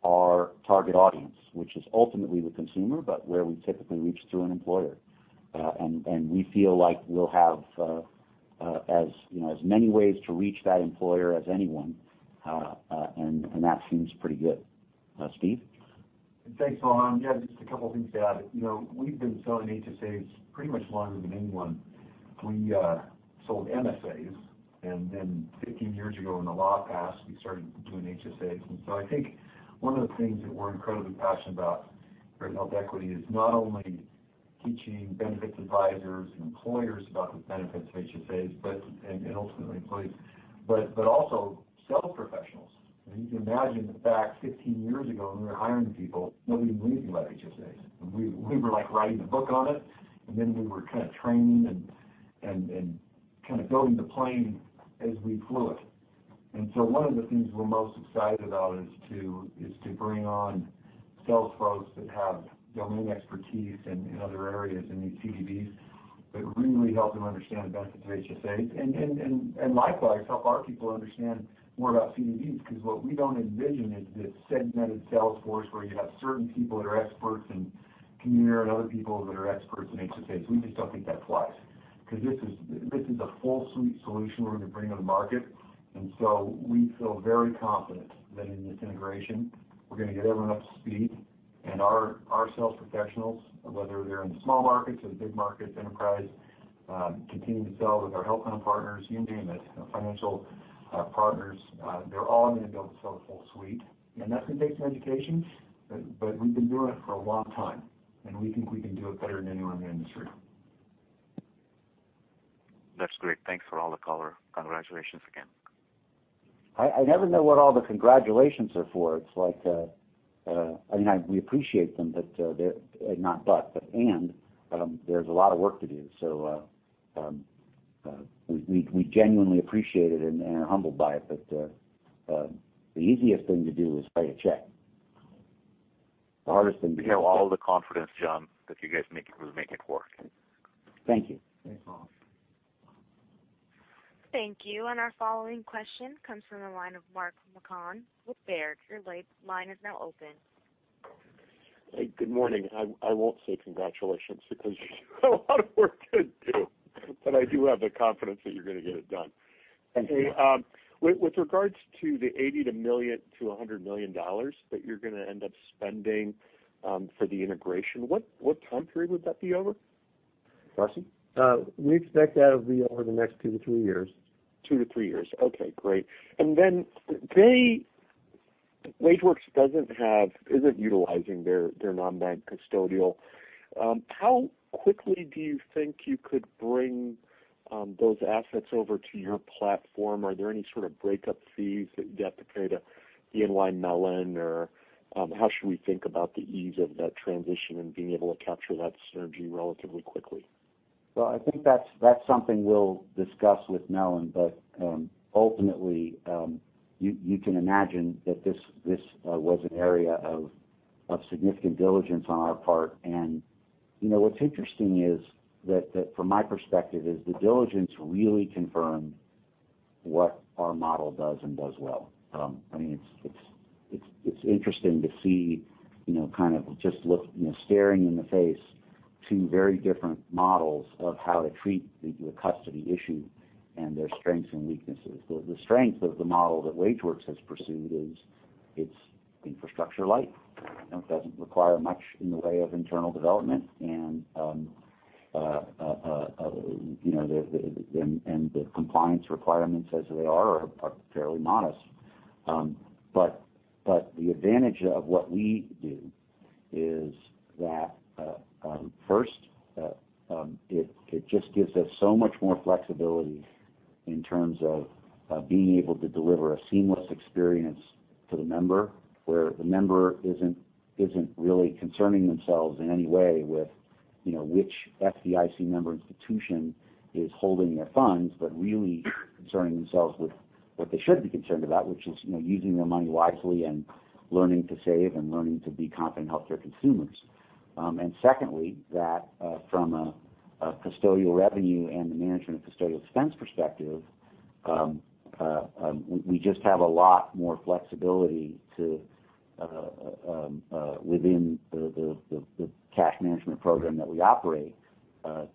our target audience, which is ultimately the consumer, but where we typically reach through an employer. We feel like we'll have as many ways to reach that employer as anyone, and that seems pretty good. Stephen? Thanks, Jon. Yeah, just a couple of things to add. We've been selling HSAs pretty much longer than anyone. We sold MSAs, then 15 years ago, when the law passed, we started doing HSAs. I think one of the things that we're incredibly passionate about here at HealthEquity is not only teaching benefits advisors and employers about the benefits of HSAs, and ultimately employees, but also sales professionals. You can imagine that back 15 years ago when we were hiring people, nobody knew anything about HSAs, and we were writing the book on it, then we were kind of training and kind of building the plane as we flew it. One of the things we're most excited about is to bring on sales folks that have domain expertise in other areas, in these CDBs, but really help them understand the benefits of HSAs. Likewise, help our people understand more about CDBs. Because what we don't envision is this segmented sales force where you have certain people that are experts in commuter and other people that are experts in HSAs. We just don't think that flies. Because this is a full suite solution we're going to bring on the market. We feel very confident that in this integration, we're going to get everyone up to speed. Our sales professionals, whether they're in the small markets or the big markets, enterprise, continue to sell with our health plan partners, you name it, financial partners, they're all going to be able to sell the full suite. That's going to take some education, but we've been doing it for a long time, and we think we can do it better than anyone in the industry. That's great. Thanks for all the color. Congratulations again. I never know what all the congratulations are for. It's like, we appreciate them, but they're not, there's a lot of work to do. We genuinely appreciate it and are humbled by it. The easiest thing to do is write a check. The hardest thing to do- We have all the confidence, Jon, that you guys will make it work. Thank you. Thanks, Mohit. Thank you. Our following question comes from the line of Mark Marcon with Baird. Your line is now open. Hey, good morning. I won't say congratulations because you have a lot of work to do, but I do have the confidence that you're going to get it done. Thanks, Mark. With regards to the $80 million-$100 million that you're going to end up spending for the integration, what time period would that be over? Rashi? We expect that it'll be over the next two to three years. 2-3 years. Okay, great. Then WageWorks isn't utilizing their non-bank custodial. How quickly do you think you could bring those assets over to your platform? Are there any sort of breakup fees that you'd have to pay to BNY Mellon? Or how should we think about the ease of that transition and being able to capture that synergy relatively quickly? Well, I think that's something we'll discuss with Mellon. Ultimately, you can imagine that this was an area of significant diligence on our part. What's interesting is that from my perspective is the diligence really confirmed what our model does and does well. It's interesting to see, kind of staring in the face, two very different models of how to treat the custody issue and their strengths and weaknesses. The strength of the model that WageWorks has pursued is it's infrastructure light. It doesn't require much in the way of internal development. The compliance requirements as they are fairly modest. The advantage of what we do is that, first, it just gives us so much more flexibility in terms of being able to deliver a seamless experience to the member, where the member isn't really concerning themselves in any way with which FDIC member institution is holding their funds, but really concerning themselves with what they should be concerned about, which is using their money wisely and learning to save and learning to be competent healthcare consumers. Secondly, that from a custodial revenue and the management of custodial expense perspective, We just have a lot more flexibility within the cash management program that we operate,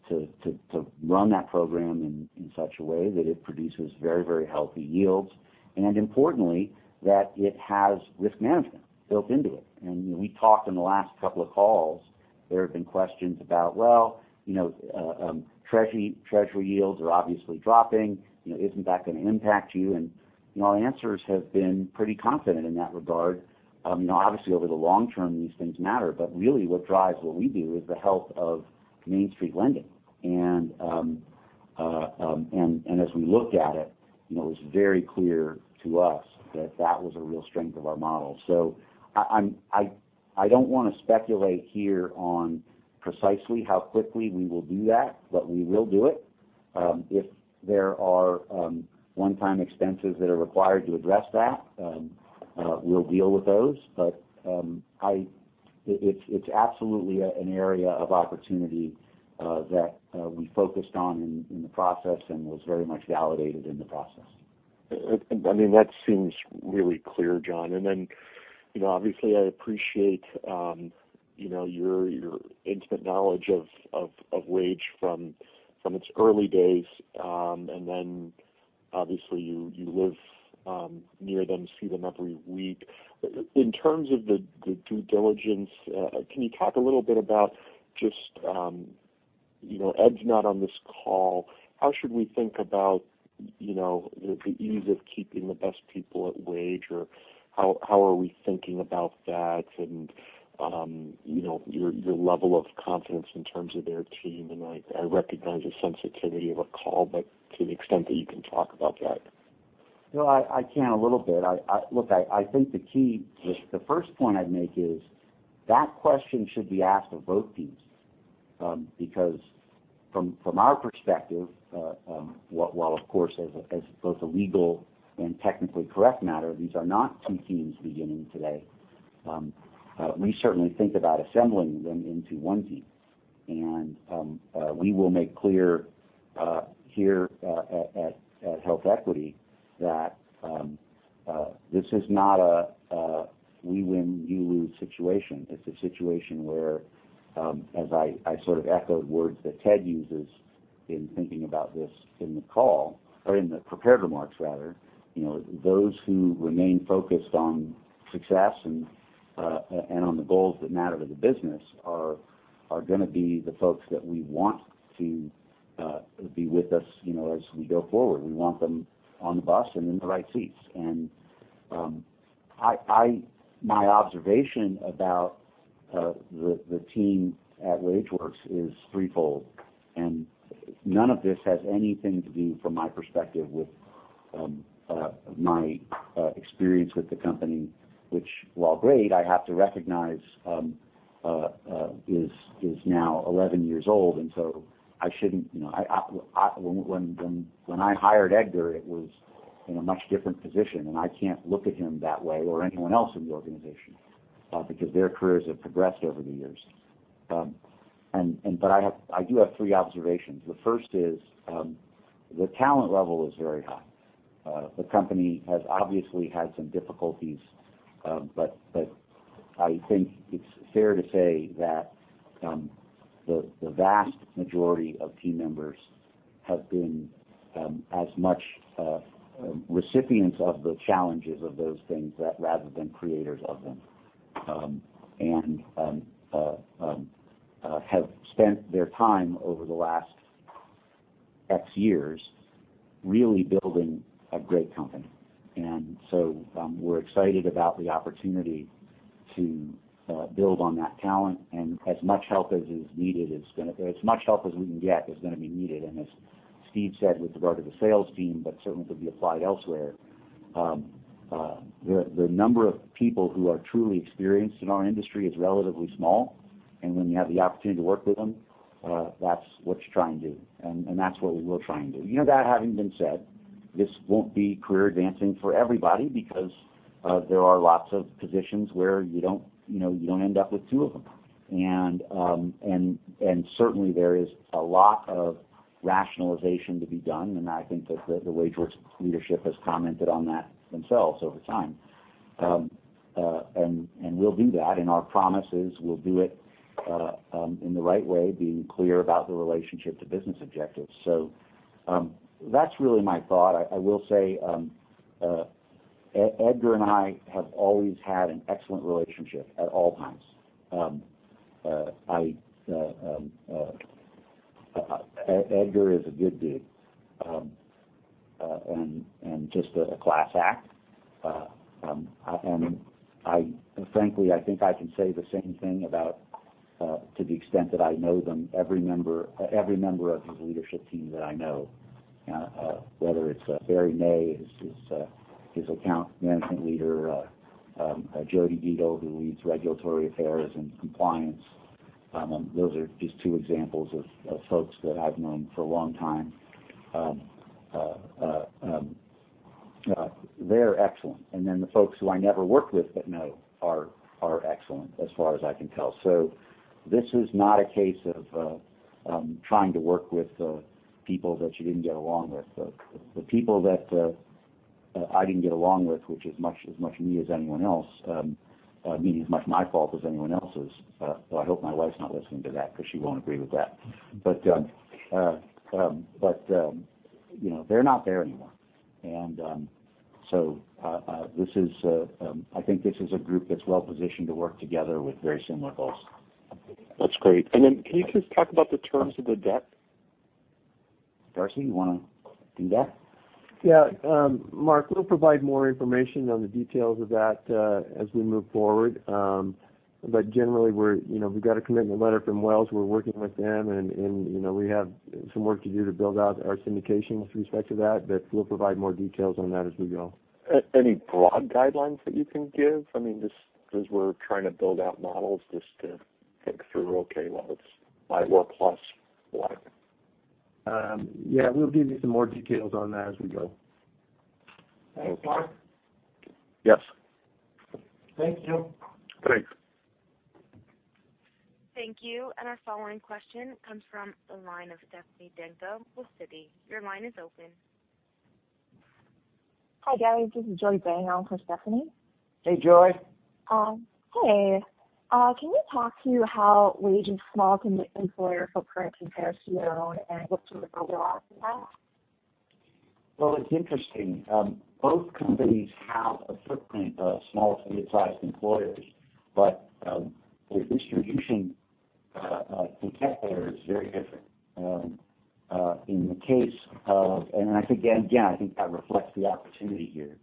to run that program in such a way that it produces very healthy yields, and importantly, that it has risk management built into it. We talked in the last couple of calls, there have been questions about, well, treasury yields are obviously dropping. Isn't that going to impact you? Our answers have been pretty confident in that regard. Obviously, over the long term, these things matter. Really what drives what we do is the health of Main Street lending. As we looked at it was very clear to us that was a real strength of our model. I don't want to speculate here on precisely how quickly we will do that, but we will do it. If there are one-time expenses that are required to address that, we'll deal with those. It's absolutely an area of opportunity that we focused on in the process and was very much validated in the process. That seems really clear, Jon. Obviously, I appreciate your intimate knowledge of WageWorks from its early days. Obviously you live near them, see them every week. In terms of the due diligence, can you talk a little bit about just, Ted's not on this call, how should we think about the ease of keeping the best people at WageWorks, or how are we thinking about that and your level of confidence in terms of their team? I recognize the sensitivity of a call, but to the extent that you can talk about that. No, I can a little bit. Look, I think the key, the first point I'd make is that question should be asked of both teams. From our perspective, while of course, as both a legal and technically correct matter, these are not two teams beginning today. We certainly think about assembling them into one team. We will make clear here at HealthEquity that this is not a we win, you lose situation. It's a situation where, as I sort of echoed words that Ted uses in thinking about this in the call, or in the prepared remarks rather, those who remain focused on success and on the goals that matter to the business are going to be the folks that we want to be with us as we go forward. We want them on the bus and in the right seats. My observation about the team at WageWorks is threefold, and none of this has anything to do, from my perspective, with my experience with the company, which, while great, I have to recognize is now 11 years old. When I hired Edgar, it was in a much different position, and I can't look at him that way or anyone else in the organization, because their careers have progressed over the years. I do have three observations. The first is, the talent level is very high. The company has obviously had some difficulties, but I think it's fair to say that the vast majority of team members have been as much recipients of the challenges of those things rather than creators of them. Have spent their time over the last X years really building a great company. We're excited about the opportunity to build on that talent, as much help as we can get is going to be needed. As Steve said with regard to the sales team, but certainly could be applied elsewhere, the number of people who are truly experienced in our industry is relatively small. When you have the opportunity to work with them, that's what you try and do, and that's what we will try and do. That having been said, this won't be career advancing for everybody because there are lots of positions where you don't end up with two of them. Certainly there is a lot of rationalization to be done, and I think that the WageWorks leadership has commented on that themselves over time. We'll do that, and our promise is we'll do it in the right way, being clear about the relationship to business objectives. That's really my thought. I will say, Edgar and I have always had an excellent relationship at all times. Edgar is a good dude and just a class act. Frankly, I think I can say the same thing about, to the extent that I know them, every member of his leadership team that I know, whether it's Barry May, his Account Management Leader, Jody Eagle, who leads Regulatory Affairs and Compliance. Those are just two examples of folks that I've known for a long time. They're excellent. Then the folks who I never worked with but know are excellent, as far as I can tell. This is not a case of trying to work with people that you didn't get along with. The people that I didn't get along with, which is as much me as anyone else. I mean, as much my fault as anyone else's. Though I hope my wife's not listening to that because she won't agree with that. They're not there anymore. I think this is a group that's well-positioned to work together with very similar goals. That's great. Then can you just talk about the terms of the debt? Darcy, you want to do that? Yeah. Mark, we'll provide more information on the details of that as we move forward. Generally, we got a commitment letter from Wells. We're working with them, and we have some work to do to build out our syndication with respect to that. We'll provide more details on that as we go. Any broad guidelines that you can give? I mean, just because we're trying to build out models just to think through, okay, well, it's five or plus, whatever. Yeah, we'll give you some more details on that as we go. Okay. Mark? Yes. Thank you. Thanks. Thank you. Our following question comes from the line of Stephanie Demko with Citi. Your line is open. Hi, Gary. This is Joy Bang on for Stephanie. Hey, Joy. Hi. Can you talk to how WageWorks' small commit employer footprint compares to your own, and what sort of overlap is that? Well, it's interesting. Both companies have a footprint of small to mid-sized employers, but the distribution content there is very different. Again, I think that reflects the opportunity here.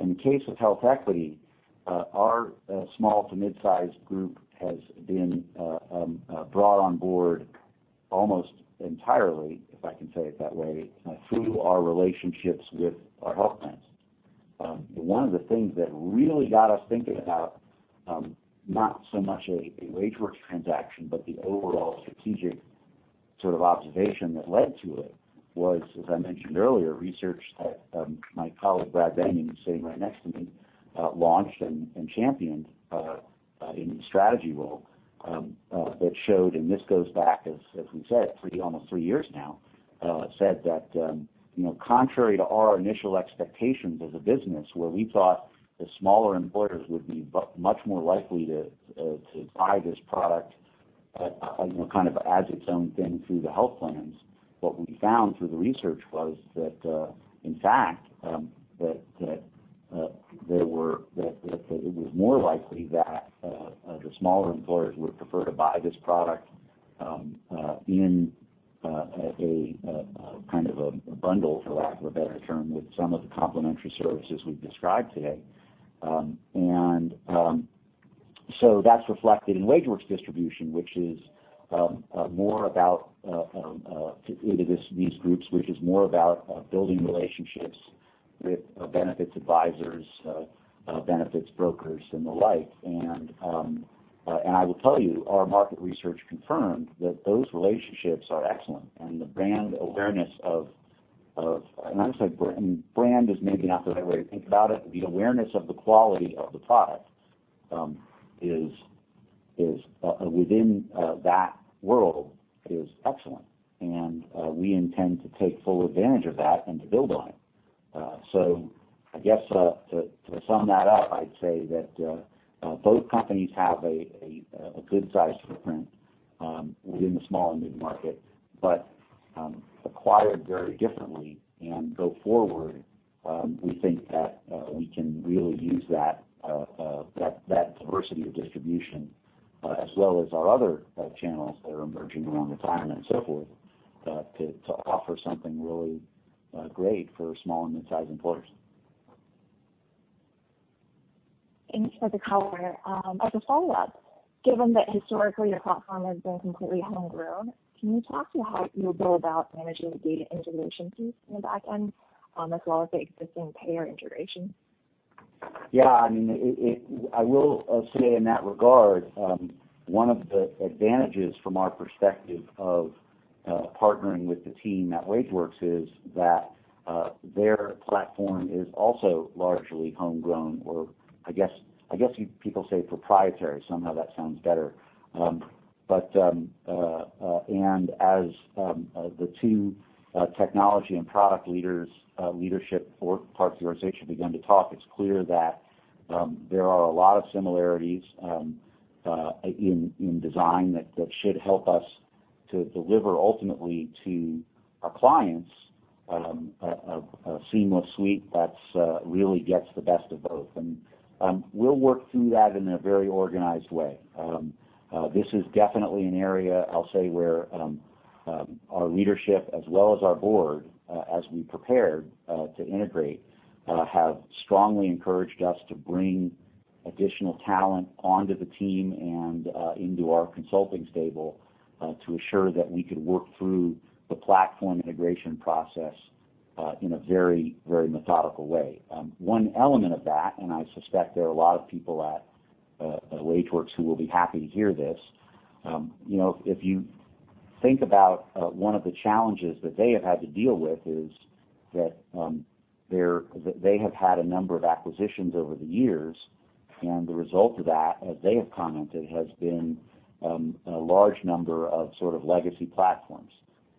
In the case of HealthEquity, our small to mid-size group has been brought on board almost entirely, if I can say it that way, through our relationships with our health plans. One of the things that really got us thinking about not so much a WageWorks transaction, but the overall strategic sort of observation that led to it was, as I mentioned earlier, research that my colleague, Brad Banning, who's sitting right next to me, launched and championed in the strategy role that showed. This goes back as we said, almost three years now, said that contrary to our initial expectations as a business where we thought the smaller employers would be much more likely to buy this product, kind of as its own thing through the health plans. What we found through the research was that, in fact, that it was more likely that the smaller employers would prefer to buy this product in a kind of a bundle, for lack of a better term, with some of the complimentary services we've described today. That's reflected in WageWorks distribution, into these groups, which is more about building relationships with benefits advisors, benefits brokers, and the like. I will tell you, our market research confirmed that those relationships are excellent. I would say brand is maybe not the right way to think about it. The awareness of the quality of the product within that world is excellent, and we intend to take full advantage of that and to build on it. I guess to sum that up, I'd say that both companies have a good size footprint within the small and mid-market, but acquired very differently. Go forward, we think that we can really use that diversity of distribution as well as our other channels that are emerging around retirement and so forth, to offer something really great for small and mid-sized employers. Thanks for the color. As a follow-up, given that historically your platform has been completely homegrown, can you talk to how you'll go about managing the data interrelationships in the back end as well as the existing payer integrations? Yeah. I will say in that regard, one of the advantages from our perspective of partnering with the team at WageWorks is that their platform is also largely homegrown, or I guess people say proprietary. Somehow that sounds better. As the two technology and product leadership organizations begin to talk, it's clear that there are a lot of similarities in design that should help us to deliver ultimately to our clients a seamless suite that really gets the best of both. We'll work through that in a very organized way. This is definitely an area, I'll say, where our leadership as well as our board as we prepared to integrate, have strongly encouraged us to bring additional talent onto the team and into our consulting stable to assure that we could work through the platform integration process in a very, very methodical way. One element of that, I suspect there are a lot of people at WageWorks who will be happy to hear this, if you Think about one of the challenges that they have had to deal is that they have had a number of acquisitions over the years, and the result of that, as they have commented, has been a large number of legacy platforms.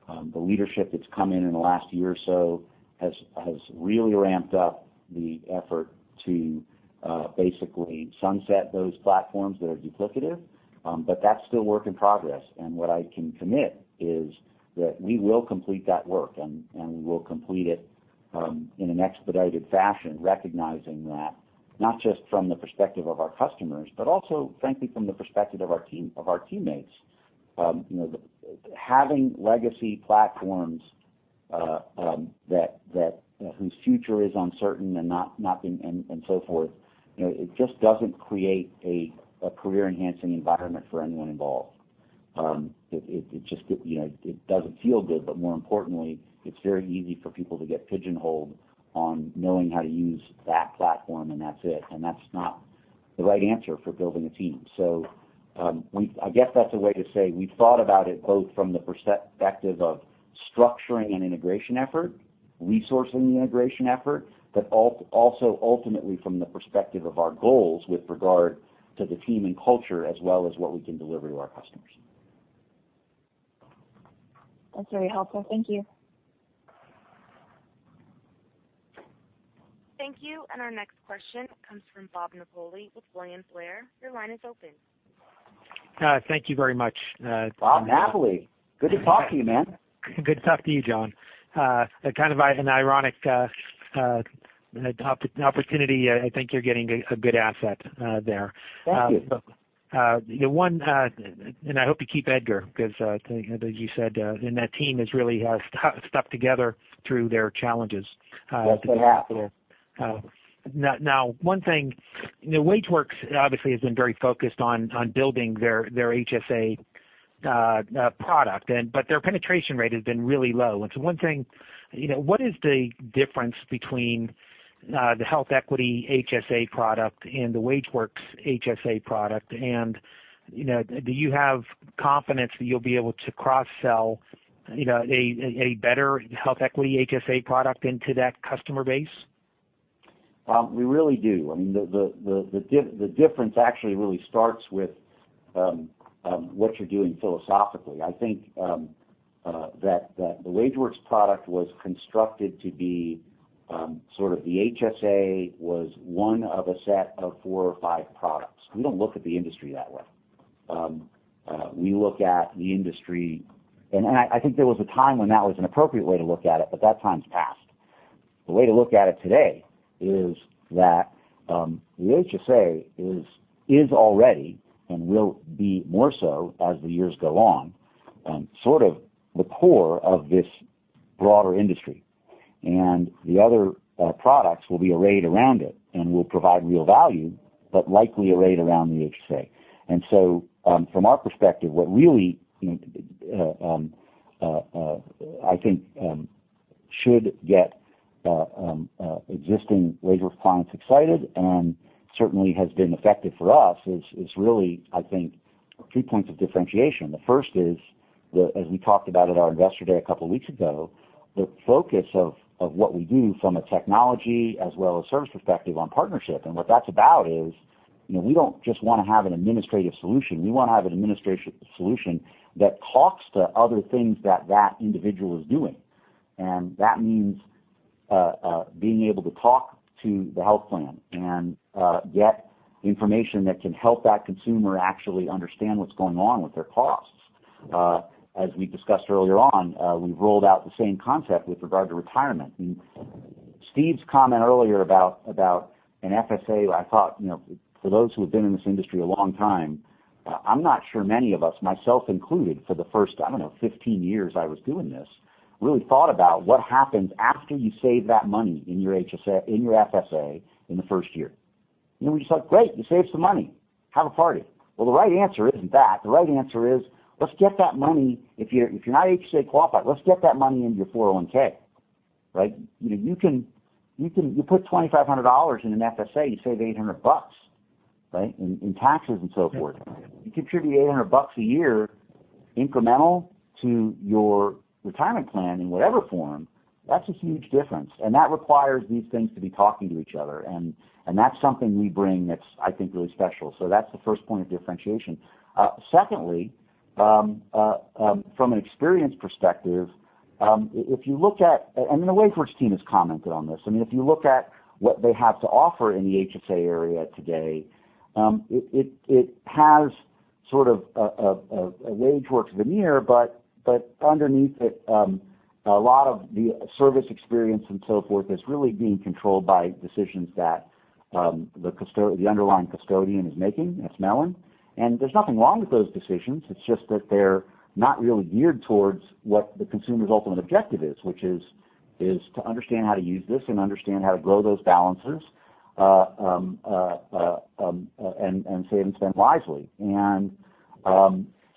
The leadership that's come in the last year or so has really ramped up the effort to basically sunset those platforms that are duplicative. That's still a work in progress, and what I can commit is that we will complete that work, and we will complete it in an expedited fashion, recognizing that not just from the perspective of our customers, but also, frankly, from the perspective of our teammates. Having legacy platforms whose future is uncertain and so forth, it just doesn't create a career-enhancing environment for anyone involved. It doesn't feel good, but more importantly, it's very easy for people to get pigeonholed on knowing how to use that platform and that's it, and that's not the right answer for building a team. I guess that's a way to say we've thought about it both from the perspective of structuring an integration effort, resourcing the integration effort, but also ultimately from the perspective of our goals with regard to the team and culture, as well as what we can deliver to our customers. That's very helpful. Thank you. Thank you. Our next question comes from Bob Napoli with William Blair. Your line is open. Thank you very much. Robert Napoli, good to talk to you, man. Good to talk to you, Jon. Kind of an ironic opportunity. I think you're getting a good asset there. Thank you. I hope you keep Edgar, because as you said, that team has really stuck together through their challenges. That's what happens. One thing, WageWorks obviously has been very focused on building their HSA product, but their penetration rate has been really low. One thing, what is the difference between the HealthEquity HSA product and the WageWorks HSA product? Do you have confidence that you'll be able to cross-sell a better HealthEquity HSA product into that customer base? We really do. I mean, the difference actually really starts with what you are doing philosophically. I think that the WageWorks product was constructed to be sort of the HSA was one of a set of four or five products. We do not look at the industry that way. We look at the industry, and I think there was a time when that was an appropriate way to look at it, but that time's passed. The way to look at it today is that the HSA is already, and will be more so as the years go on, sort of the core of this broader industry, and the other products will be arrayed around it and will provide real value, but likely arrayed around the HSA. From our perspective, what really I think should get existing WageWorks clients excited and certainly has been effective for us is really, I think, three points of differentiation. The first is that as we talked about at our Investor Day a couple of weeks ago, the focus of what we do from a technology as well as service perspective on partnership. And what that's about is, we do not just want to have an administrative solution. We want to have an administrative solution that talks to other things that that individual is doing. And that means being able to talk to the health plan and get information that can help that consumer actually understand what's going on with their costs. As we discussed earlier on, we've rolled out the same concept with regard to retirement. Stephen's comment earlier about an FSA, I thought, for those who have been in this industry a long time, I'm not sure many of us, myself included, for the first, I don't know, 15 years I was doing this, really thought about what happens after you save that money in your FSA in the first year. We just thought, great, you saved some money. Have a party. Well, the right answer isn't that. The right answer is, if you're not HSA qualified, let's get that money into your 401. You put $2,500 in an FSA, you save $800 in taxes and so forth. You contribute $800 a year incremental to your retirement plan in whatever form, that's a huge difference. And that requires these things to be talking to each other. And that's something we bring that's, I think, really special. That's the first point of differentiation. Secondly, from an experience perspective, and the WageWorks team has commented on this, if you look at what they have to offer in the HSA area today, it has sort of a WageWorks veneer, but underneath it, a lot of the service experience and so forth is really being controlled by decisions that the underlying custodian is making, that's Mellon. And there's nothing wrong with those decisions. It's just that they're not really geared towards what the consumer's ultimate objective is, which is to understand how to use this and understand how to grow those balances and save and spend wisely. And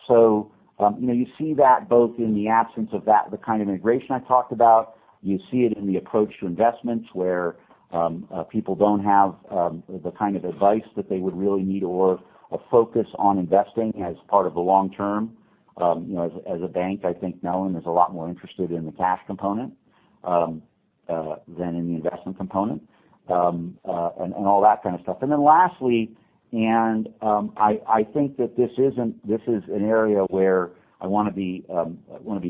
so you see that both in the absence of the kind of integration I talked about. You see it in the approach to investments, where people don't have the kind of advice that they would really need or a focus on investing as part of the long term. As a bank, I think Mellon is a lot more interested in the cash component than in the investment component, and all that kind of stuff. Lastly, I think that this is an area where I want to be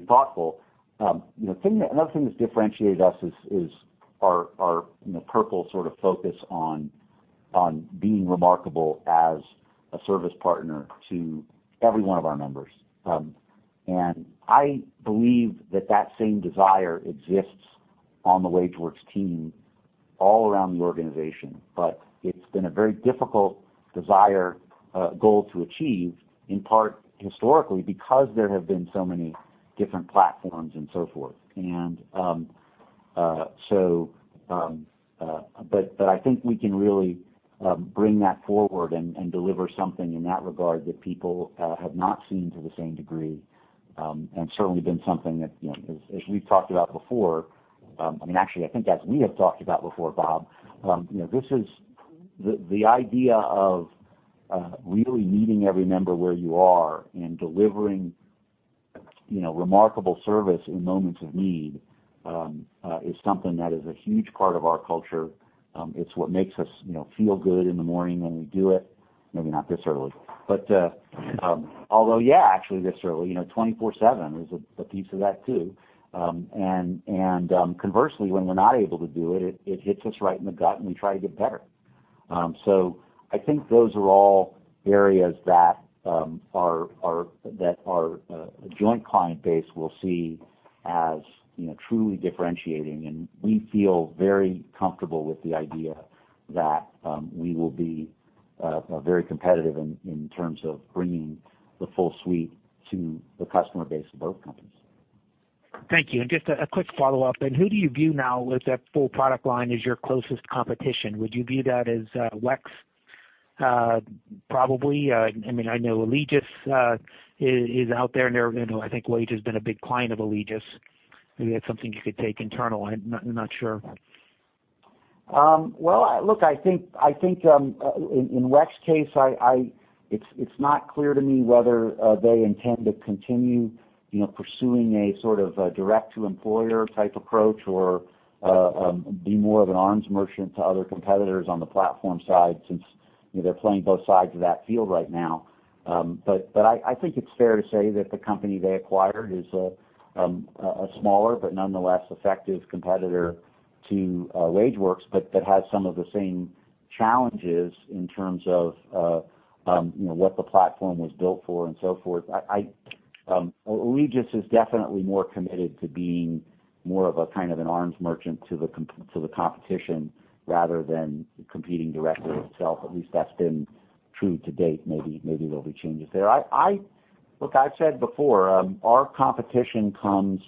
thoughtful. Another thing that differentiates us is our Purple sort of focus on being remarkable as a service partner to every one of our members. I believe that that same desire exists on the WageWorks team all around the organization. It's been a very difficult desire, goal to achieve, in part historically, because there have been so many different platforms and so forth. I think we can really bring that forward and deliver something in that regard that people have not seen to the same degree, and certainly been something that, as we've talked about before, I mean, actually, I think as we have talked about before, Bob, the idea of really meeting every member where you are and delivering remarkable service in moments of need, is something that is a huge part of our culture. It's what makes us feel good in the morning when we do it. Maybe not this early. Although, yeah, actually, this early, 24/7 is a piece of that, too. Conversely, when we're not able to do it hits us right in the gut, and we try to get better. I think those are all areas that our joint client base will see as truly differentiating, and we feel very comfortable with the idea that we will be very competitive in terms of bringing the full suite to the customer base of both companies. Thank you. Just a quick follow-up then. Who do you view now with that full product line as your closest competition? Would you view that as WEX, probably? I know Alegeus is out there, and I think Wage has been a big client of Alegeus. Maybe that's something you could take internal, I'm not sure. Well, look, I think, in WEX case, it's not clear to me whether they intend to continue pursuing a sort of a direct-to-employer type approach or be more of an arms merchant to other competitors on the platform side, since they're playing both sides of that field right now. I think it's fair to say that the company they acquired is a smaller but nonetheless effective competitor to WageWorks, but that has some of the same challenges in terms of what the platform was built for and so forth. Alegeus is definitely more committed to being more of a kind of an arms merchant to the competition rather than competing directly itself. At least that's been true to date. Maybe there'll be changes there. Look, I've said before, our competition comes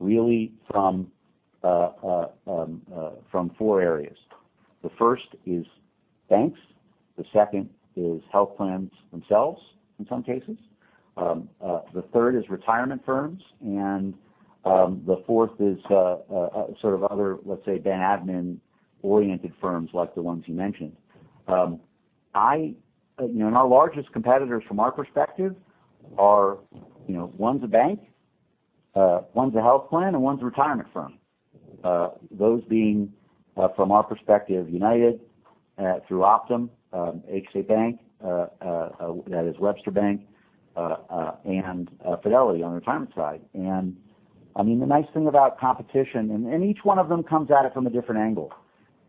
really from four areas. The first is banks, the second is health plans themselves in some cases, the third is retirement firms, and the fourth is sort of other, let's say, CDB admin-oriented firms like the ones you mentioned. Our largest competitors from our perspective are, one's a bank, one's a health plan, and one's a retirement firm. Those being, from our perspective, United through Optum, HSA Bank, that is Webster Bank, and Fidelity on the retirement side. The nice thing about competition, and each one of them comes at it from a different angle.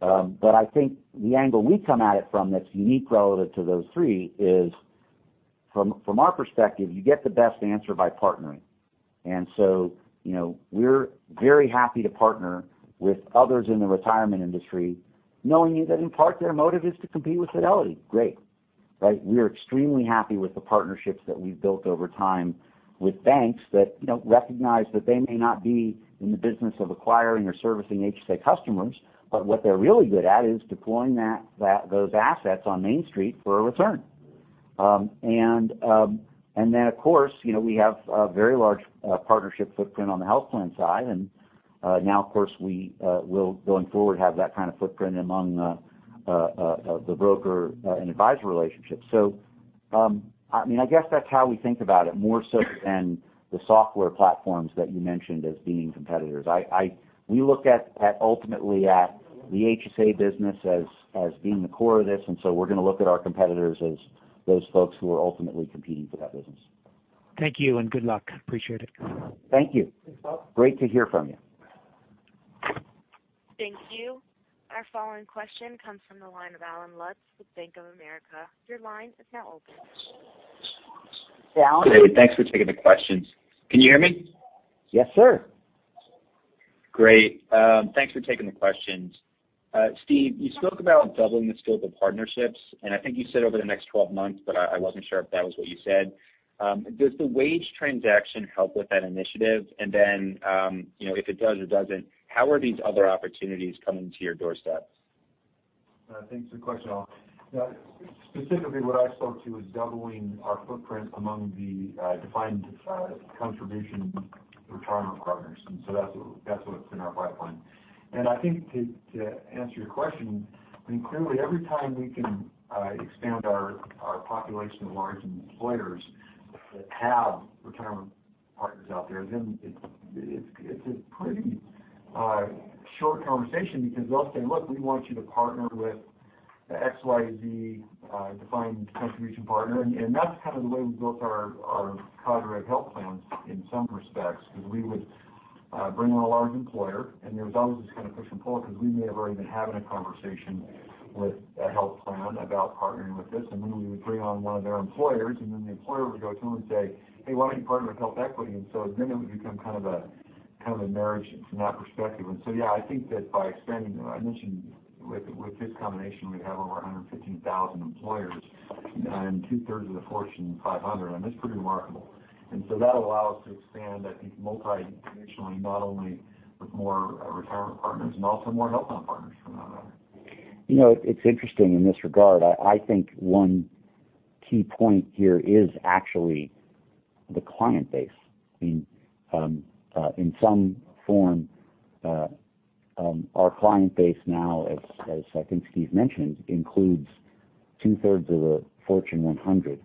I think the angle we come at it from that's unique relative to those three is, from our perspective, you get the best answer by partnering. We're very happy to partner with others in the retirement industry, knowing that in part, their motive is to compete with Fidelity. Great. We are extremely happy with the partnerships that we've built over time with banks that recognize that they may not be in the business of acquiring or servicing HSA customers, but what they're really good at is deploying those assets on Main Street for a return. Of course, we have a very large partnership footprint on the health plan side, and now, of course, we will, going forward, have that kind of footprint among the broker and advisor relationships. I guess that's how we think about it, more so than the software platforms that you mentioned as being competitors. We look at ultimately at the HSA business as being the core of this. We're going to look at our competitors as those folks who are ultimately competing for that business. Thank you, and good luck. Appreciate it. Thank you. Thanks, Bob. Great to hear from you. Thank you. Our following question comes from the line of Allen Lutz with Bank of America. Your line is now open. Alan? David, thanks for taking the questions. Can you hear me? Yes, sir. Great. Thanks for taking the questions. Steve, you spoke about doubling the scope of partnerships, I think you said over the next 12 months, but I wasn't sure if that was what you said. Does the Wage transaction help with that initiative? If it does or doesn't, how are these other opportunities coming to your doorstep? Thanks for the question, Allen. Specifically, what I spoke to is doubling our footprint among the defined contribution retirement partners, that's what's in our pipeline. I think to answer your question, clearly, every time we can expand our population of large employers- That have retirement partners out there, it's a pretty short conversation because they'll say, "Look, we want you to partner with XYZ defined contribution partner." That's kind of the way we built our cadre of health plans in some respects, because we would bring on a large employer, and there was always this kind of push and pull because we may have already been having a conversation with a health plan about partnering with this. We would bring on one of their employers, then the employer would go to them and say, "Hey, why don't you partner with HealthEquity?" It would become kind of a marriage from that perspective. Yeah, I think that by expanding, I mentioned with this combination, we'd have over 115,000 employers and two-thirds of the Fortune 500, that's pretty remarkable. that allow us to expand I think multi-dimensionally, not only with more retirement partners and also more health plan partners from that. It's interesting in this regard. I think one key point here is actually the client base. In some form, our client base now, as I think Steve mentioned, includes two-thirds of the Fortune 100,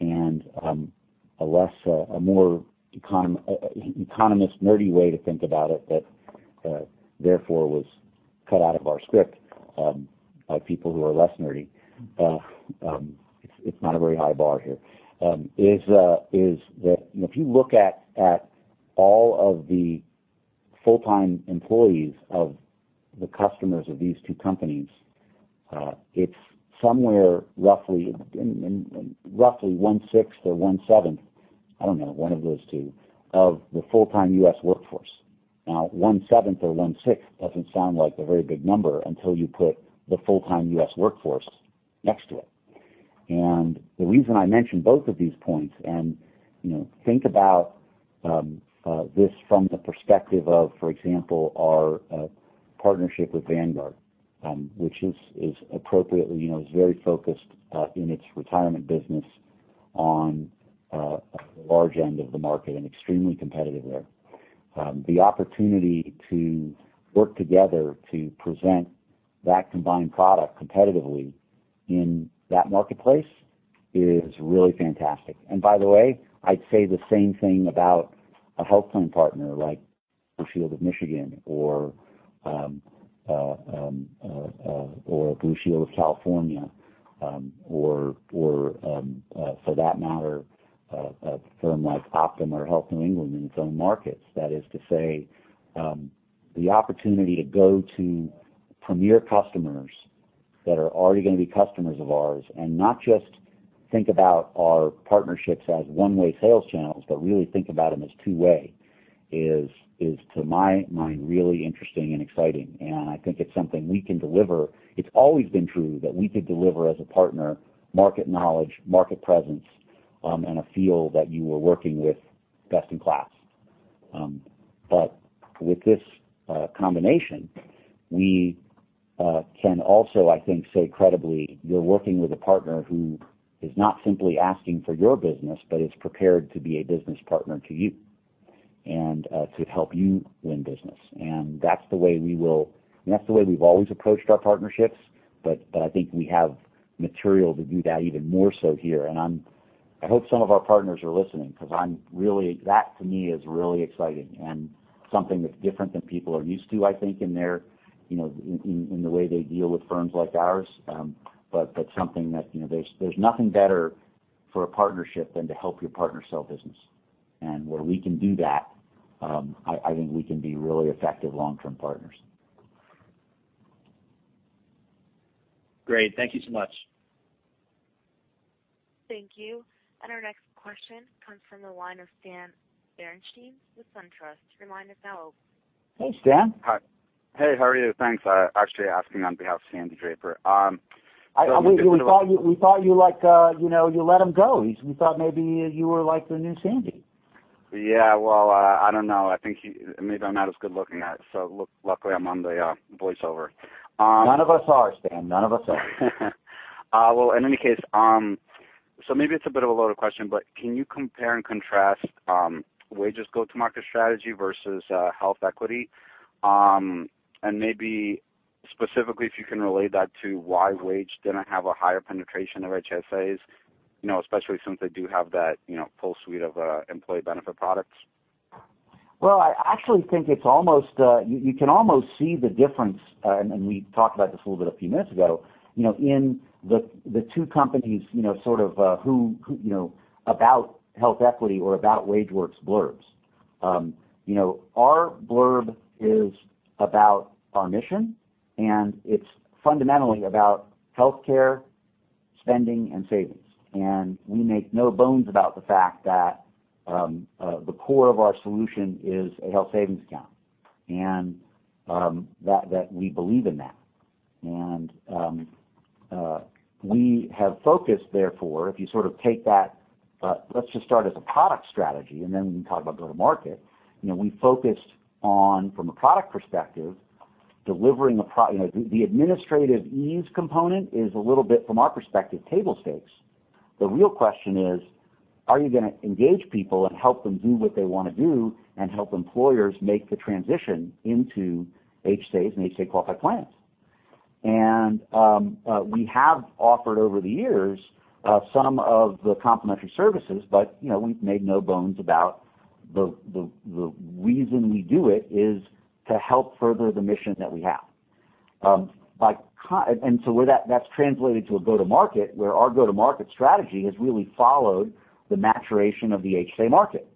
and a more economist, nerdy way to think about it that therefore was cut out of our script by people who are less nerdy, it's not a very high bar here. Is that if you look at all of the full-time employees of the customers of these two companies, it's somewhere roughly one-sixth or one-seventh, I don't know, one of those two, of the full-time U.S. workforce. Now, one-seventh or one-sixth doesn't sound like a very big number until you put the full-time U.S. workforce next to it. The reason I mention both of these points, and think about this from the perspective of, for example, our partnership with Vanguard, which is appropriately, is very focused in its retirement business on the large end of the market and extremely competitive there. The opportunity to work together to present that combined product competitively in that marketplace is really fantastic. By the way, I'd say the same thing about a health plan partner like Blue Shield of Michigan or Blue Shield of California, or for that matter, a firm like Optum or Health New England in its own markets. That is to say, the opportunity to go to premier customers that are already going to be customers of ours and not just think about our partnerships as one-way sales channels, but really think about them as two-way, is, to my mind, really interesting and exciting. I think it's something we can deliver. It's always been true that we could deliver as a partner, market knowledge, market presence, and a feel that you were working with best in class. With this combination, we can also, I think, say credibly, you're working with a partner who is not simply asking for your business, but is prepared to be a business partner to you, and to help you win business. That's the way we've always approached our partnerships, but I think we have material to do that even more so here. I hope some of our partners are listening because that to me is really exciting and something that's different than people are used to, I think, in the way they deal with firms like ours. There's nothing better for a partnership than to help your partner sell business. Where we can do that, I think we can be really effective long-term partners. Great. Thank you so much. Thank you. Our next question comes from the line of Dan Perlin with SunTrust. Your line is now open. Hey, Dan. Hi. Hey, how are you? Thanks. Actually asking on behalf of Sandy Draper. We thought you let him go. We thought maybe you were like the new Sandy. Yeah, well, I don't know. I think maybe I'm not as good looking. Luckily, I'm on the voice over. None of us are, Stan. None of us are. In any case, maybe it's a bit of a loaded question, but can you compare and contrast Wage's go-to-market strategy versus HealthEquity? Maybe specifically, if you can relate that to why Wage didn't have a higher penetration of HSAs, especially since they do have that full suite of employee benefit products. I actually think you can almost see the difference, we talked about this a little bit a few minutes ago, in the two companies, sort of about HealthEquity or about WageWorks blurbs. Our blurb is about our mission, it's fundamentally about healthcare spending and savings. We make no bones about the fact that the core of our solution is a Health Savings Account, that we believe in that. We have focused, therefore, if you sort of take that, let's just start as a product strategy, then we can talk about go-to-market. We focused on, from a product perspective, delivering The administrative ease component is a little bit, from our perspective, table stakes. The real question is: Are you going to engage people and help them do what they want to do and help employers make the transition into HSAs and HSA-qualified plans? We have offered over the years some of the complimentary services, we've made no bones about the reason we do it is to help further the mission that we have. That's translated to a go-to-market, where our go-to-market strategy has really followed the maturation of the HSA market.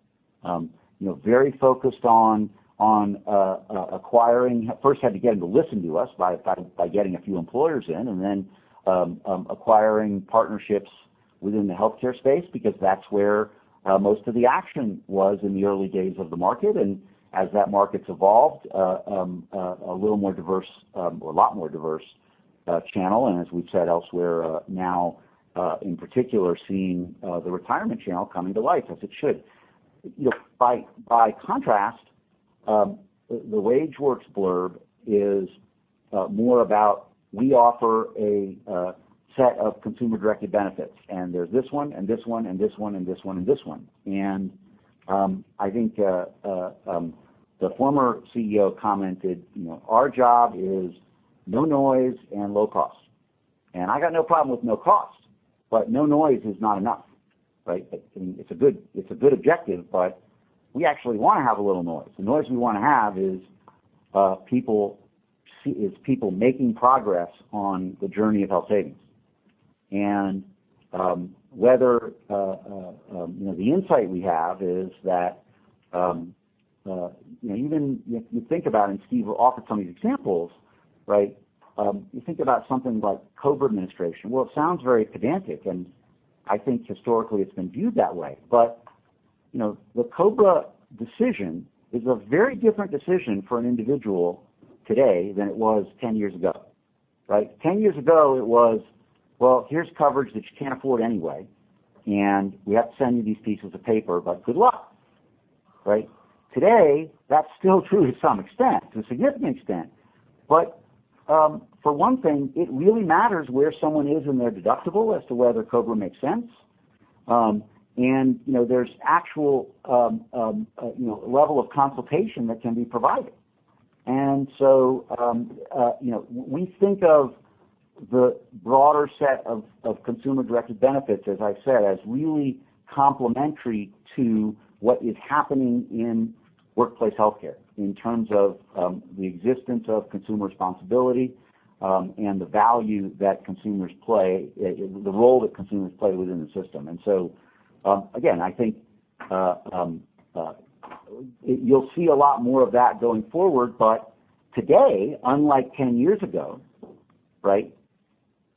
Very focused on acquiring First had to get them to listen to us by getting a few employers in, then acquiring partnerships within the healthcare space, because that's where most of the action was in the early days of the market. As that market's evolved, a lot more diverse channel. As we've said elsewhere, now in particular seeing the retirement channel coming to life as it should. By contrast, the WageWorks blurb is more about we offer a set of Consumer-Directed Benefits, there's this one and this one and this one and this one and this one. I think the former CEO commented, "Our job is no noise and low cost." I got no problem with no cost, no noise is not enough, right? It's a good objective, we actually want to have a little noise. The noise we want to have is people making progress on the journey of Health Savings. The insight we have is that, you think about it, Steve will offer some of these examples, right? You think about something like COBRA administration. It sounds very pedantic, I think historically it's been viewed that way. The COBRA decision is a very different decision for an individual today than it was 10 years ago, right? 10 years ago, it was, well, here's coverage that you can't afford anyway, and we have to send you these pieces of paper, but good luck, right? Today, that's still true to some extent, to a significant extent. For one thing, it really matters where someone is in their deductible as to whether COBRA makes sense. There's actual level of consultation that can be provided. We think of the broader set of consumer-directed benefits, as I've said, as really complimentary to what is happening in workplace healthcare, in terms of the existence of consumer responsibility, and the role that consumers play within the system. Again, I think you'll see a lot more of that going forward, but today, unlike 10 years ago, right,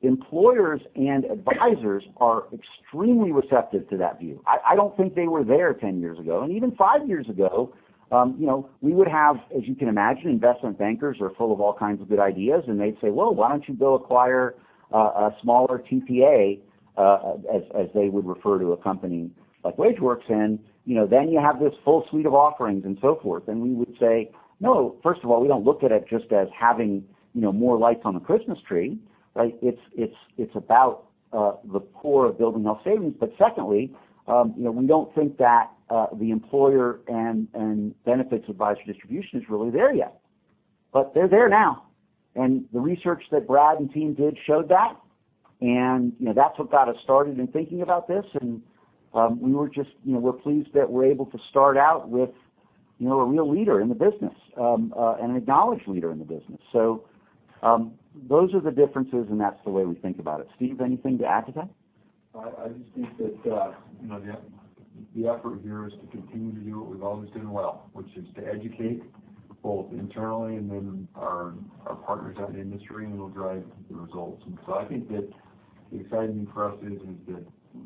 employers and advisors are extremely receptive to that view. I don't think they were there 10 years ago, and even 5 years ago, we would have, as you can imagine, investment bankers are full of all kinds of good ideas, and they'd say, "Well, why don't you go acquire a smaller TPA," as they would refer to a company like WageWorks, and then you have this full suite of offerings and so forth. We would say, no. First of all, we don't look at it just as having more lights on a Christmas tree. It's about the core of building health savings. Secondly, we don't think that the employer and benefits advisor distribution is really there yet. They're there now. The research that Brad and team did showed that, and that's what got us started in thinking about this. We're pleased that we're able to start out with a real leader in the business, an acknowledged leader in the business. Those are the differences, and that's the way we think about it. Steve, anything to add to that? I just think that the effort here is to continue to do what we've always done well, which is to educate both internally and then our partners out in the industry, and it'll drive the results. I think that the exciting thing for us is that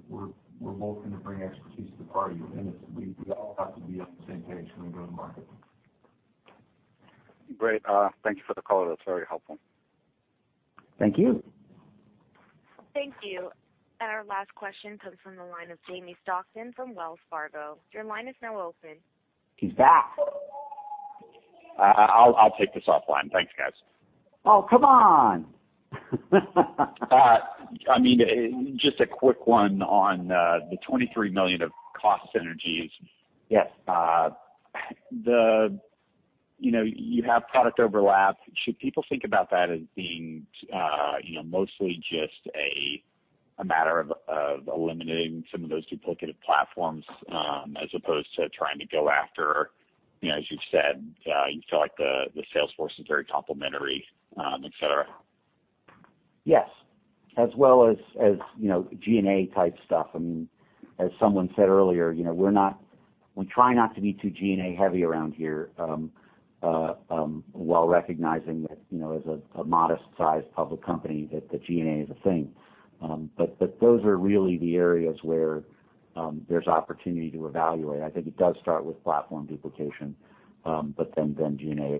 we're both going to bring expertise to the party, and we all have to be on the same page when we go to market. Great. Thank you for the color. That's very helpful. Thank you. Thank you. Our last question comes from the line of Jamie Stockton from Wells Fargo. Your line is now open. He's back. I'll take this offline. Thank you, guys. Oh, come on. Just a quick one on the $23 million of cost synergies. Yes. You have product overlap. Should people think about that as being mostly just a matter of eliminating some of those duplicative platforms, as opposed to trying to go after, as you've said, you feel like the sales force is very complementary, et cetera? Yes. As well as G&A type stuff. As someone said earlier, we try not to be too G&A heavy around here, while recognizing that as a modest-sized public company, that G&A is a thing. Those are really the areas where there's opportunity to evaluate. I think it does start with platform duplication, G&A.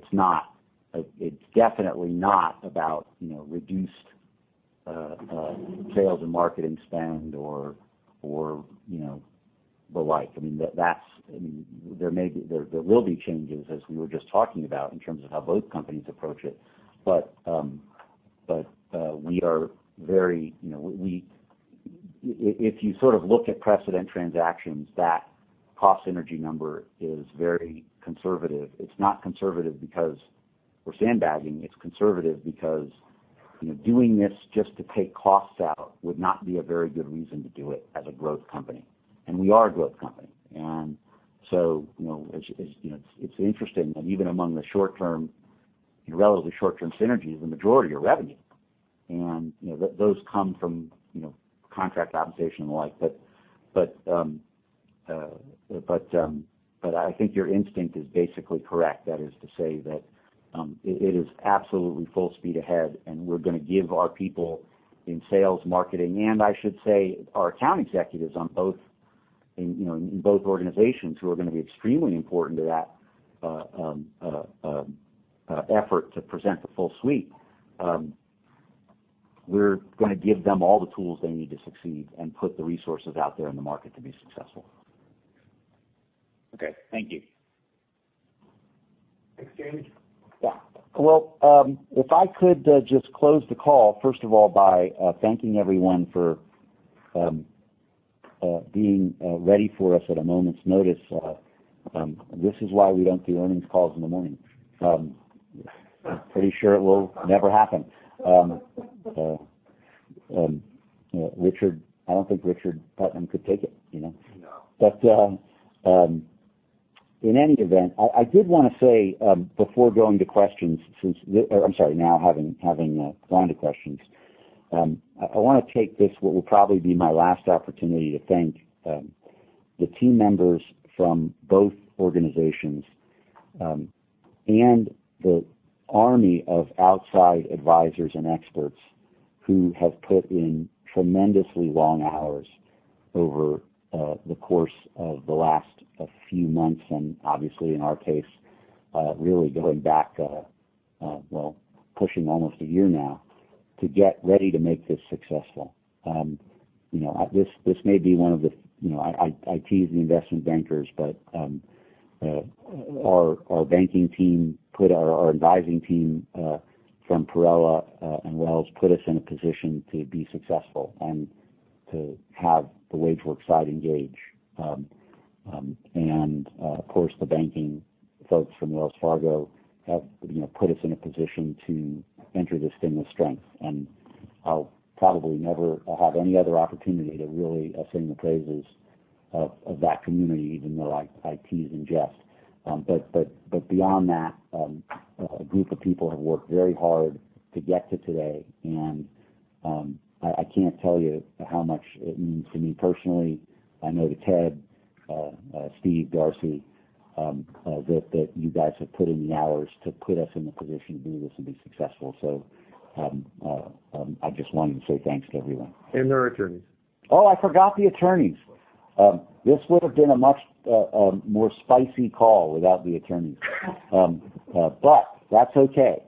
It's definitely not about reduced sales and marketing spend or the like. There will be changes, as we were just talking about, in terms of how both companies approach it. We are very If you look at precedent transactions, that cost synergy number is very conservative. It's not conservative because we're sandbagging. It's conservative because doing this just to take costs out would not be a very good reason to do it as a growth company, and we are a growth company. It's interesting that even among the relatively short-term synergies, the majority are revenue, and those come from contract optimization and the like. I think your instinct is basically correct. That is to say that it is absolutely full speed ahead, and we're going to give our people in sales, marketing, and I should say, our account executives in both organizations who are going to be extremely important to that effort to present the full suite. We're going to give them all the tools they need to succeed and put the resources out there in the market to be successful. Okay. Thank you. Exchange? Yeah. If I could just close the call, first of all, by thanking everyone for being ready for us at a moment's notice. This is why we don't do earnings calls in the morning. I'm pretty sure it will never happen. I don't think Richard Putnam could take it. No. In any event, I did want to say before going to questions. I'm sorry. Now, having gone to questions. I want to take this, what will probably be my last opportunity to thank the team members from both organizations and the army of outside advisors and experts who have put in tremendously long hours over the course of the last few months, and obviously in our case, really going back, well, pushing almost a year now, to get ready to make this successful. I tease the investment bankers, but our advising team from Perella and Wells put us in a position to be successful and to have the WageWorks side engage. Of course, the banking folks from Wells Fargo have put us in a position to enter this thing with strength. I'll probably never have any other opportunity to really sing the praises of that community, even though I tease in jest. Beyond that, a group of people have worked very hard to get to today, and I can't tell you how much it means to me personally. I know to Ted, Steve, Darcy, that you guys have put in the hours to put us in the position to do this and be successful. I just wanted to say thanks to everyone. Our attorneys. Oh, I forgot the attorneys. This would've been a much more spicy call without the attorneys. That's okay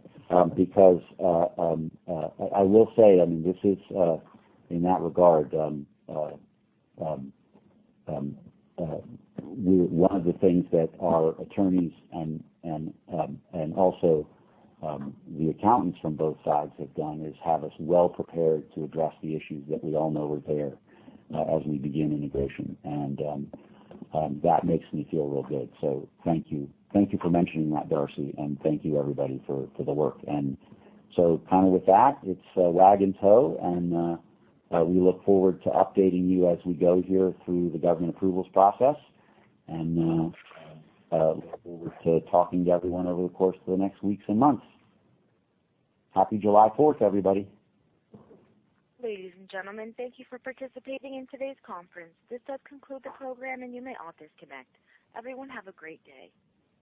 because I will say, this is, in that regard, one of the things that our attorneys and also the accountants from both sides have done is have us well prepared to address the issues that we all know are there as we begin integration. That makes me feel real good. Thank you. Thank you for mentioning that, Darcy, and thank you everybody for the work. With that, it's wag and tow, and we look forward to updating you as we go here through the government approvals process. Look forward to talking to everyone over the course of the next weeks and months. Happy July 4th, everybody. Ladies and gentlemen, thank you for participating in today's conference. This does conclude the program, and you may all disconnect. Everyone, have a great day.